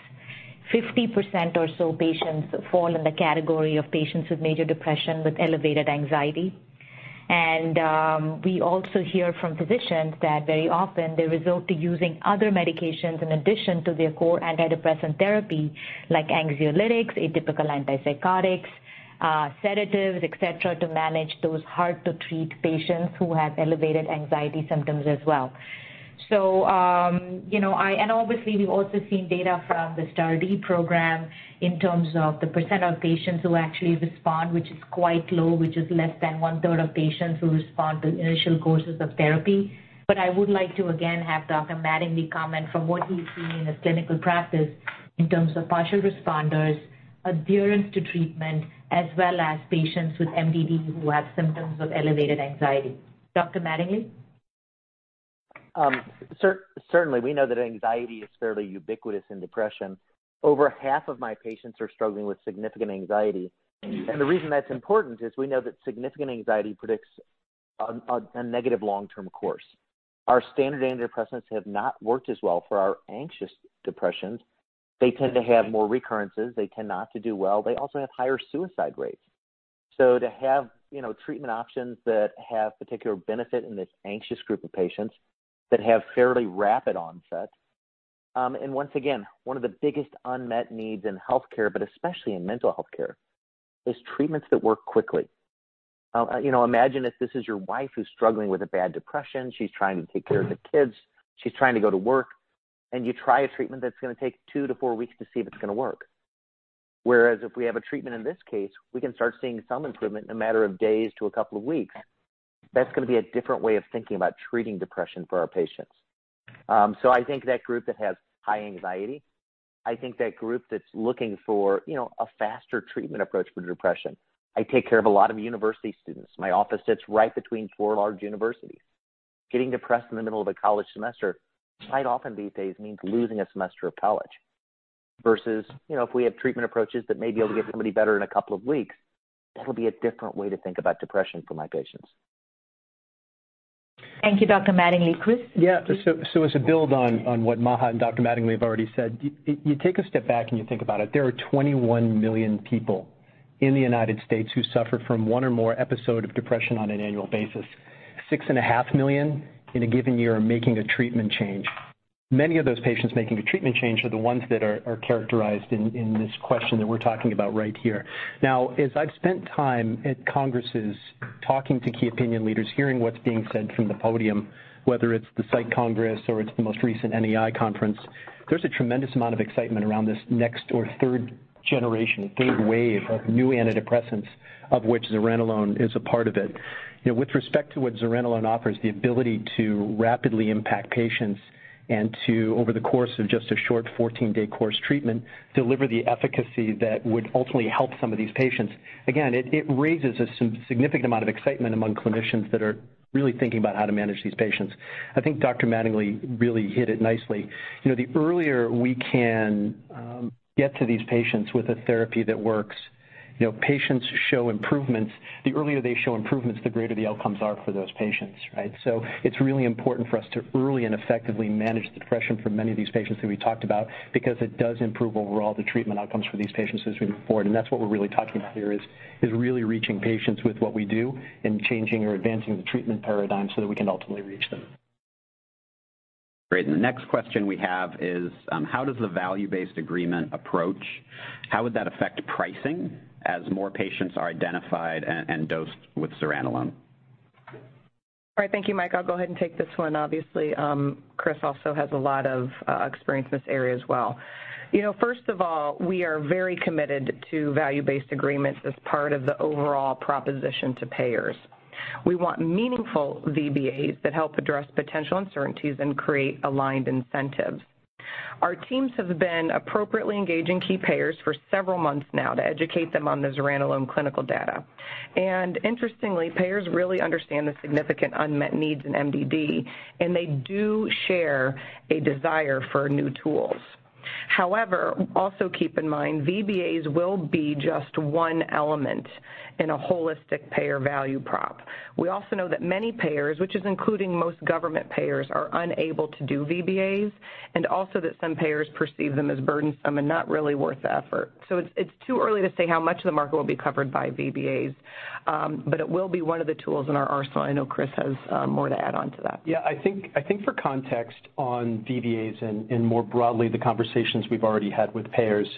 50% or so patients fall in the category of patients with major depression with elevated anxiety. We also hear from physicians that very often they resort to using other medications in addition to their core antidepressant therapy, like anxiolytics, atypical antipsychotics, sedatives, et cetera, to manage those hard to treat patients who have elevated anxiety symptoms as well. You know, obviously we've also seen data from the STAR*D program in terms of the perecentage of patients who actually respond, which is quite low, which is less than 1/3 of patients who respond to initial courses of therapy. I would like to again have Dr. Mattingly comment from what he's seen in his clinical practice in terms of partial responders, adherence to treatment, as well as patients with MDD who have symptoms of elevated anxiety. Dr. Mattingly? Certainly, we know that anxiety is fairly ubiquitous in depression. Over half of my patients are struggling with significant anxiety. The reason that's important is we know that significant anxiety predicts a negative long-term course. Our standard antidepressants have not worked as well for our anxious depressions. They tend to have more recurrences. They tend not to do well. They also have higher suicide rates. To have, you know, treatment options that have particular benefit in this anxious group of patients that have fairly rapid onset, and once again, one of the biggest unmet needs in healthcare, but especially in mental health care, is treatments that work quickly. You know, imagine if this is your wife who's struggling with a bad depression. She's trying to take care of the kids. She's trying to go to work, you try a treatment that's gonna take two to four weeks to see if it's gonna work. If we have a treatment in this case, we can start seeing some improvement in a matter of days to a couple of weeks. That's gonna be a different way of thinking about treating depression for our patients. I think that group that has high anxiety, I think that group that's looking for, you know, a faster treatment approach for depression. I take care of a lot of university students. My office sits right between four large universities. Getting depressed in the middle of a college semester quite often these days means losing a semester of college versus, you know, if we have treatment approaches that may be able to get somebody better in a couple of weeks, that'll be a different way to think about depression for my patients. Thank you, Dr. Mattingly. Chris? Yeah. As a build on what Maha and Dr. Mattingly have already said, you take a step back, and you think about it. There are 21 million people in the United States who suffer from one or more episode of depression on an annual basis. 6.5 million in a given year are making a treatment change. Many of those patients making a treatment change are the ones that are characterized in this question that we're talking about right here. Now, as I've spent time at congresses talking to key opinion leaders, hearing what's being said from the podium, whether it's the Psych Congress or it's the most recent NEI Congress, there's a tremendous amount of excitement around this next or third generation, third wave of new antidepressants of which zuranolone is a part of it. You know, with respect to what zuranolone offers, the ability to rapidly impact patients and to, over the course of just a short 14-day course treatment, deliver the efficacy that would ultimately help some of these patients. Again, it raises a significant amount of excitement among clinicians that are really thinking about how to manage these patients. I think Dr. Mattingly really hit it nicely. You know, the earlier we can get to these patients with a therapy that works, you know, patients show improvements. The earlier they show improvements, the greater the outcomes are for those patients, right? It's really important for us to early and effectively manage depression for many of these patients who we talked about because it does improve overall the treatment outcomes for these patients as we move forward. That's what we're really talking about here is really reaching patients with what we do and changing or advancing the treatment paradigm so that we can ultimately reach them. Great. The next question we have is, how would that affect pricing as more patients are identified and dosed with zuranolone? All right. Thank you, Mike. I'll go ahead and take this one. Obviously, Chris also has a lot of experience in this area as well. You know, first of all, we are very committed to Value-Based Agreements as part of the overall proposition to payers. We want meaningful VBAs that help address potential uncertainties and create aligned incentives. Our teams have been appropriately engaging key payers for several months now to educate them on the zuranolone clinical data. Interestingly, payers really understand the significant unmet needs in MDD, and they do share a desire for new tools. However, also keep in mind, VBAs will be just one element in a holistic payer value prop. We also know that many payers, which is including most government payers, are unable to do VBAs, also that some payers perceive them as burdensome and not really worth the effort. It's too early to say how much of the market will be covered by VBAs, but it will be one of the tools in our arsenal. I know Chris has more to add on to that. Yeah. I think for context on VBAs and more broadly, the conversations we've already had with payers.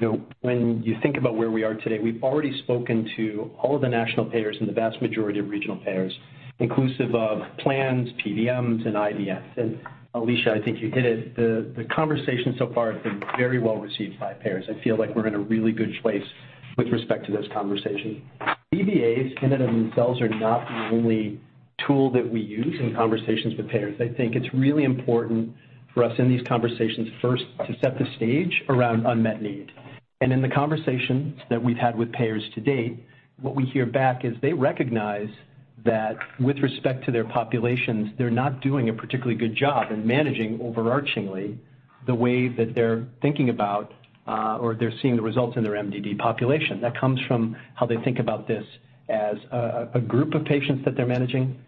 You know, when you think about where we are today, we've already spoken to all of the national payers and the vast majority of regional payers, inclusive of plans, PBMs, and IDNs. Alisha, I think you hit it. The conversation so far has been very well received by payers. I feel like we're in a really good place with respect to those conversations. VBAs in and of themselves are not the only tool that we use in conversations with payers. I think it's really important for us in these conversations first to set the stage around unmet need. In the conversations that we've had with payers to date, what we hear back is they recognize that with respect to their populations, they're not doing a particularly good job in managing overarchingly the way that they're thinking about, or they're seeing the results in their MDD population. That comes from how they think about this as a group of patients that they're managing.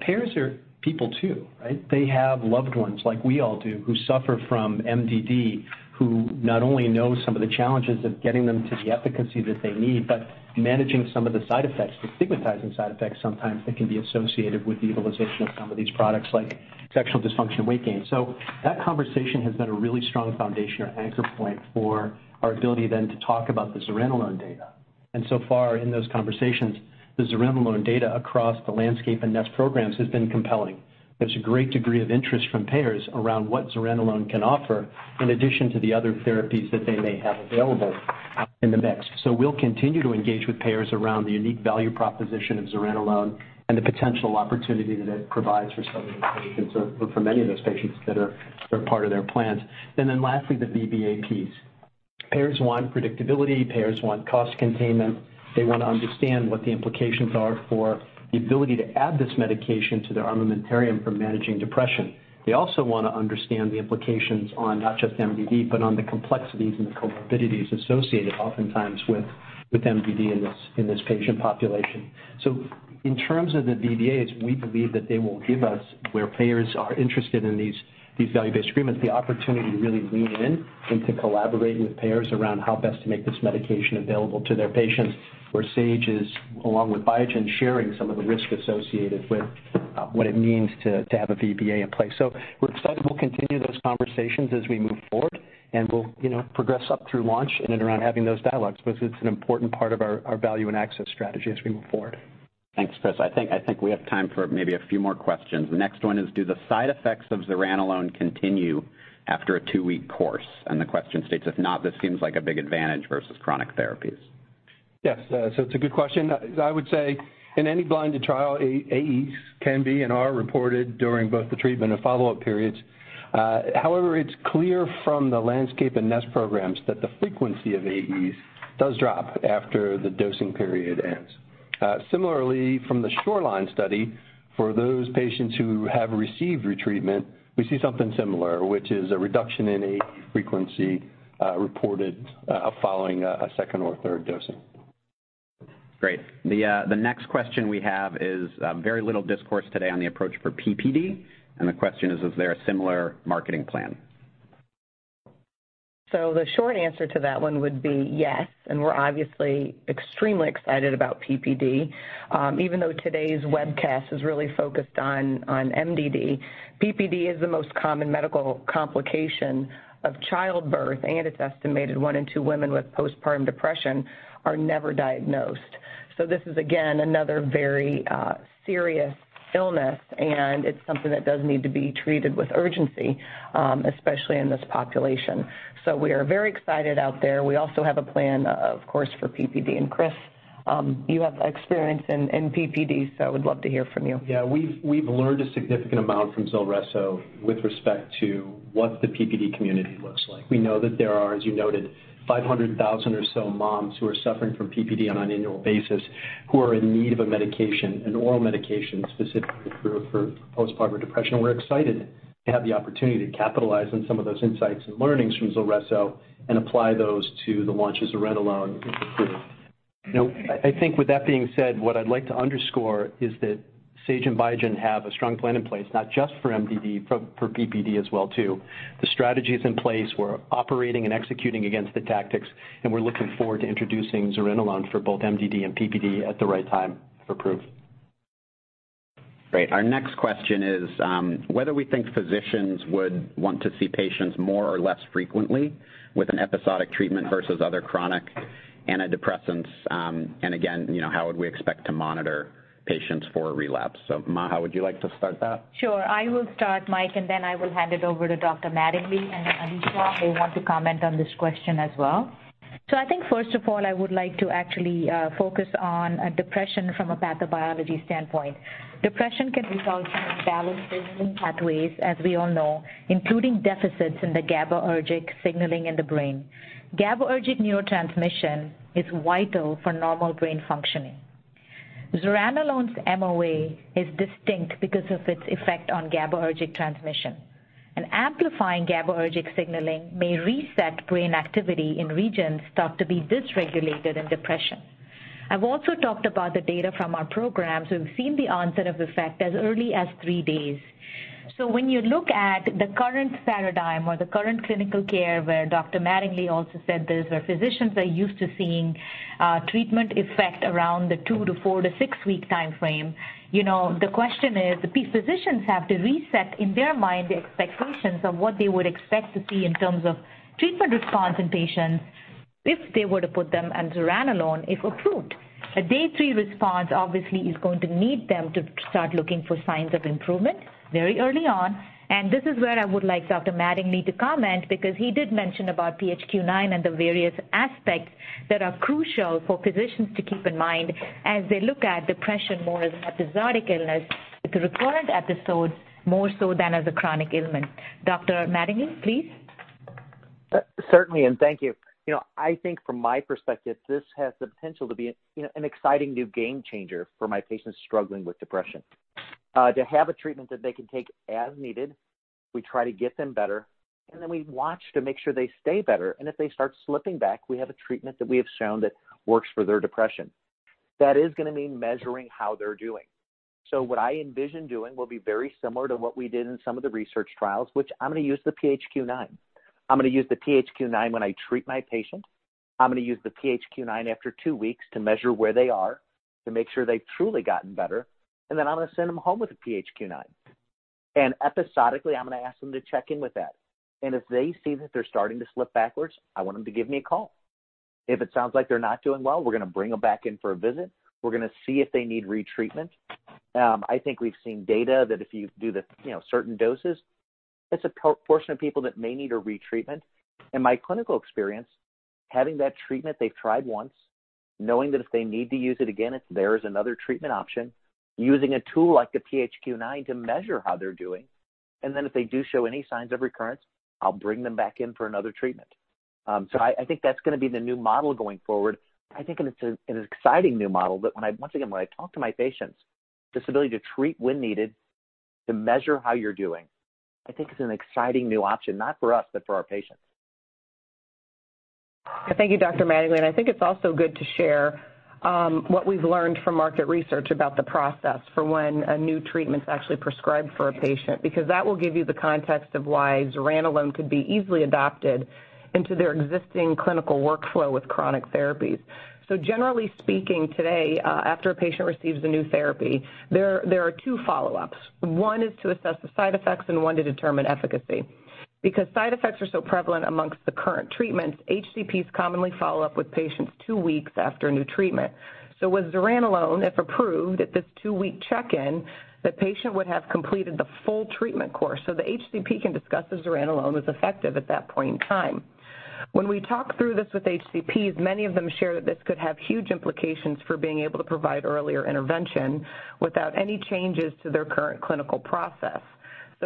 Payers are people too, right? They have loved ones like we all do, who suffer from MDD, who not only know some of the challenges of getting them to the efficacy that they need, but managing some of the side effects, the stigmatizing side effects sometimes that can be associated with the utilization of some of these products like sexual dysfunction and weight gain. That conversation has been a really strong foundation or anchor point for our ability then to talk about the zuranolone data. So far in those conversations, the zuranolone data across the LANDSCAPE and NEST programs has been compelling. There's a great degree of interest from payers around what zuranolone can offer in addition to the other therapies that they may have available in the mix. We'll continue to engage with payers around the unique value proposition of zuranolone and the potential opportunity that it provides for some of those patients or for many of those patients that are part of their plans. Lastly, the VBA [payers]. Payers want predictability. Payers want cost containment. They want to understand what the implications are for the ability to add this medication to their armamentarium for managing depression. They also want to understand the implications on not just MDD, but on the complexities and the comorbidities associated oftentimes with MDD in this patient population. In terms of the VBAs, we believe that they will give us, where payers are interested in these value-based agreements, the opportunity to really lean in and to collaborate with payers around how best to make this medication available to their patients, where Sage is, along with Biogen, sharing some of the risk associated with what it means to have a VBA in place. We're excited. We'll continue those conversations as we move forward, and we'll, you know, progress up through launch and then around having those dialogues because it's an important part of our value and access strategy as we move forward. Thanks, Chris. I think we have time for maybe a few more questions. The next one is, "Do the side effects of zuranolone continue after a two-week course?" The question states, "If not, this seems like a big advantage versus chronic therapies. Yes. It's a good question. I would say in any blinded trial, AEs can be and are reported during both the treatment and follow-up periods. However, it's clear from the LANDSCAPE and NEST programs that the frequency of AEs does drop after the dosing period ends. Similarly from the SHORELINE Study, for those patients who have received retreatment, we see something similar, which is a reduction in AE frequency, reported following a second or third dosing. Great. The next question we have is very little discourse today on the approach for PPD. The question is, "Is there a similar marketing plan? The short answer to that one would be yes, and we're obviously extremely excited about PPD. Even though today's webcast is really focused on MDD, PPD is the most common medical complication of childbirth, and it's estimated one in two women with postpartum depression are never diagnosed. This is again, another very serious illness, and it's something that does need to be treated with urgency, especially in this population. We are very excited out there. We also have a plan of course for PPD. Chris, you have experience in PPD, so I would love to hear from you. Yeah. We've learned a significant amount from ZULRESSO with respect to what the PPD community looks like. We know that there are, as you noted, 500,000 or so moms who are suffering from PPD on an annual basis who are in need of a medication, an oral medication specifically for postpartum depression. We're excited to have the opportunity to capitalize on some of those insights and learnings from ZULRESSO and apply those to the launch of zuranolone if approved. You know, I think with that being said, what I'd like to underscore is that Sage and Biogen have a strong plan in place, not just for MDD, for PPD as well too. The strategy is in place. We're operating and executing against the tactics, and we're looking forward to introducing zuranolone for both MDD and PPD at the right time for proof. Great. Our next question is, whether we think physicians would want to see patients more or less frequently with an episodic treatment versus other chronic antidepressants. Again, you know, how would we expect to monitor patients for relapse? Maha, would you like to start that? Sure. I will start, Mike, and then I will hand it over to Dr. Mattingly, and Alisha may want to comment on this question as well. I think first of all, I would like to actually focus on depression from a pathobiology standpoint. Depression can result from imbalanced signaling pathways, as we all know, including deficits in the GABAergic signaling in the brain. GABAergic neurotransmission is vital for normal brain functioning. Zuranolone's MOA is distinct because of its effect on GABAergic transmission. An amplifying GABAergic signaling may reset brain activity in regions thought to be dysregulated in depression. I've also talked about the data from our programs. We've seen the onset of effect as early as three days. When you look at the current paradigm or the current clinical care where Dr. Mattingly also said this, where physicians are used to seeing, treatment effect around the 2-4-6-week time frame, you know, the question is, if these physicians have to reset in their mind the expectations of what they would expect to see in terms of treatment response in patients if they were to put them on zuranolone, if approved. A day three response obviously is going to need them to start looking for signs of improvement very early on, and this is where I would like Dr. Mattingly to comment because he did mention about PHQ-9 and the various aspects that are crucial for physicians to keep in mind as they look at depression more as an episodic illness with recurrent episodes, more so than as a chronic ailment. Dr. Mattingly, please. Certainly, thank you. You know, I think from my perspective, this has the potential to be a, you know, an exciting new game changer for my patients struggling with depression. To have a treatment that they can take as needed, we try to get them better, we watch to make sure they stay better. If they start slipping back, we have a treatment that we have shown that works for their depression. That is going to mean measuring how they're doing. What I envision doing will be very similar to what we did in some of the research trials, which I'm going to use the PHQ-9. I'm going to use the PHQ-9 when I treat my patient. I'm going to use the PHQ-9 after two weeks to measure where they are, to make sure they've truly gotten better. I'm going to send them home with a PHQ-9. Episodically, I'm going to ask them to check in with that. If they see that they're starting to slip backwards, I want them to give me a call. If it sounds like they're not doing well, we're going to bring them back in for a visit. We're going to see if they need retreatment. I think we've seen data that if you do the, you know, certain doses, it's a portion of people that may need a retreatment. In my clinical experience, having that treatment they've tried once, knowing that if they need to use it again, it's there as another treatment option, using a tool like the PHQ-9 to measure how they're doing, and then if they do show any signs of recurrence, I'll bring them back in for another treatment. I think that's going to be the new model going forward. I think it's an exciting new model that once again, when I talk to my patients, this ability to treat when needed, to measure how you're doing, I think it's an exciting new option, not for us, but for our patients. Thank you, Dr. Mattingly. I think it's also good to share what we've learned from market research about the process for when a new treatment's actually prescribed for a patient, because that will give you the context of why zuranolone could be easily adopted into their existing clinical workflow with chronic therapies. Generally speaking, today, after a patient receives a new therapy, there are two follow-ups. One is to assess the side effects and one to determine efficacy. Because side effects are so prevalent amongst the current treatments, HCPs commonly follow up with patients two weeks after a new treatment. With zuranolone, if approved, at this two-week check-in, the patient would have completed the full treatment course, so the HCP can discuss if zuranolone was effective at that point in time. When we talk through this with HCPs, many of them share that this could have huge implications for being able to provide earlier intervention without any changes to their current clinical process.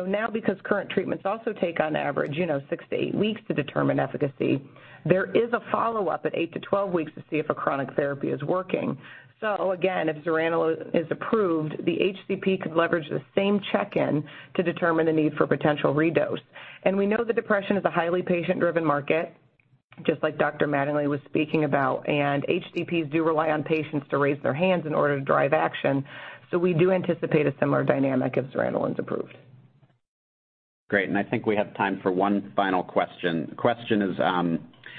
Now, because current treatments also take on average, you know, 6-8 weeks to determine efficacy, there is a follow-up at 8-12 weeks to see if a chronic therapy is working. Again, if zuranolone is approved, the HCP could leverage the same check-in to determine the need for potential redose. We know that depression is a highly patient-driven market, just like Dr. Mattingly was speaking about, and HCPs do rely on patients to raise their hands in order to drive action. We do anticipate a similar dynamic if zuranolone's approved. Great. I think we have time for one final question. The question is,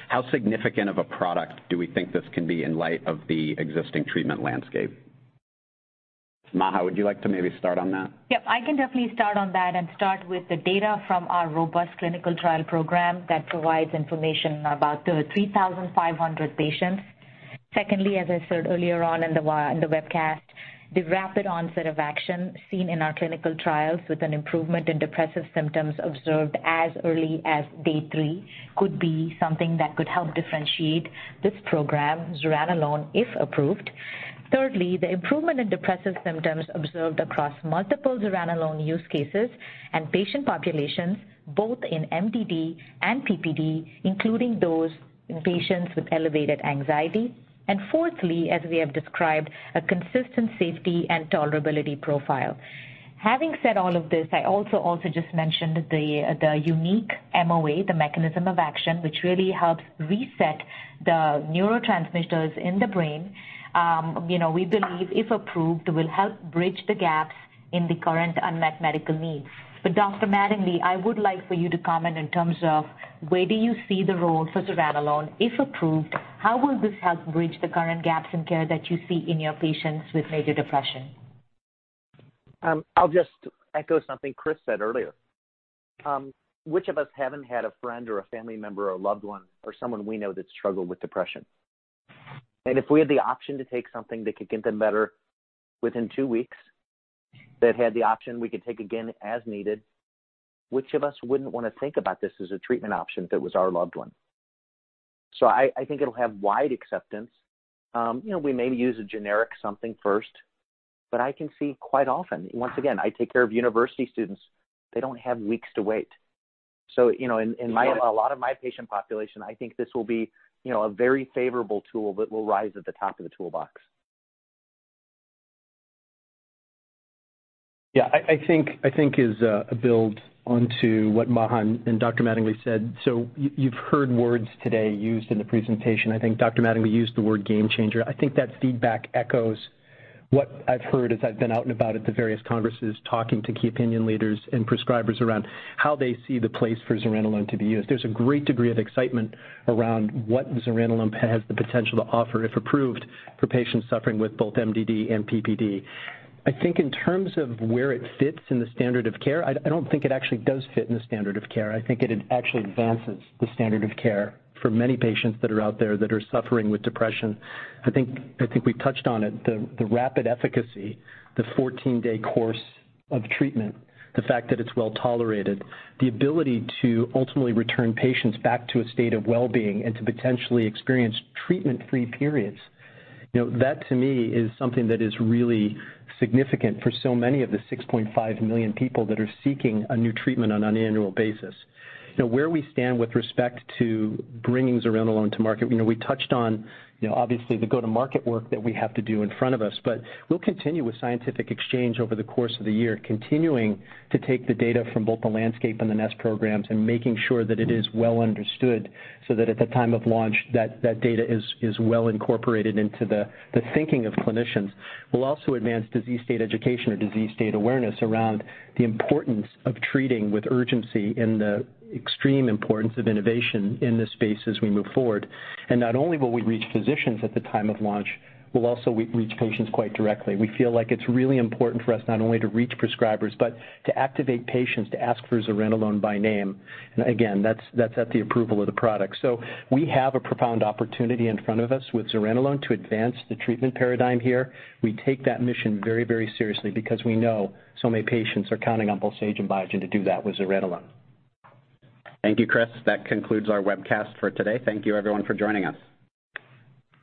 how significant of a product do we think this can be in light of the existing treatment landscape? Maha, would you like to maybe start on that? Yep, I can definitely start on that and start with the data from our robust clinical trial program that provides information about the 3,500 patients. Secondly, as I said earlier on in the webcast, the rapid onset of action seen in our clinical trials with an improvement in depressive symptoms observed as early as day three could be something that could help differentiate this program, zuranolone, if approved. Thirdly, the improvement in depressive symptoms observed across multiple zuranolone use cases and patient populations, both in MDD and PPD, including those in patients with elevated anxiety. Fourthly, as we have described, a consistent safety and tolerability profile. Having said all of this, I also just mentioned the unique MOA, the mechanism of action, which really helps reset the neurotransmitters in the brain, you know, we believe, if approved, will help bridge the gaps in the current unmet medical needs. Dr. Mattingly, I would like for you to comment in terms of where do you see the role for zuranolone, if approved? How will this help bridge the current gaps in care that you see in your patients with major depression? I'll just echo something Chris said earlier. Which of us haven't had a friend or a family member or loved one or someone we know that struggled with depression? If we had the option to take something that could get them better within two weeks, that had the option we could take again as needed, which of us wouldn't want to think about this as a treatment option if it was our loved one? I think it'll have wide acceptance. You know, we maybe use a generic something first, but I can see quite often, once again, I take care of university students. They don't have weeks to wait. You know, in my patient population, I think this will be, you know, a very favorable tool that will rise at the top of the toolbox. Yeah. I think as a build onto what Maha and Dr. Mattingly said, you've heard words today used in the presentation. I think Dr. Mattingly used the word game changer. I think that feedback echoes what I've heard as I've been out and about at the various congresses, talking to key opinion leaders and prescribers around how they see the place for zuranolone to be used. There's a great degree of excitement around what zuranolone has the potential to offer, if approved, for patients suffering with both MDD and PPD. I think in terms of where it fits in the standard of care, I don't think it actually does fit in the standard of care. I think it actually advances the standard of care for many patients that are out there that are suffering with depression. I think we touched on it, the rapid efficacy, the 14-day course of treatment, the fact that it's well-tolerated, the ability to ultimately return patients back to a state of well-being and to potentially experience treatment-free periods. You know, that to me is something that is really significant for so many of the 6.5 million people that are seeking a new treatment on an annual basis. Now, where we stand with respect to bringing zuranolone to market, you know, we touched on, you know, obviously the go-to-market work that we have to do in front of us. We'll continue with scientific exchange over the course of the year, continuing to take the data from both the LANDSCAPE and the NEST programs and making sure that it is well understood, so that at the time of launch, that data is well incorporated into the thinking of clinicians. We'll also advance disease state education or disease state awareness around the importance of treating with urgency and the extreme importance of innovation in this space as we move forward. Not only will we reach physicians at the time of launch, we'll also re-reach patients quite directly. We feel like it's really important for us not only to reach prescribers, but to activate patients to ask for zuranolone by name. Again, that's at the approval of the product. We have a profound opportunity in front of us with zuranolone to advance the treatment paradigm here. We take that mission very seriously because we know so many patients are counting on both Sage and Biogen to do that with zuranolone. Thank you, Chris. That concludes our webcast for today. Thank you everyone for joining us.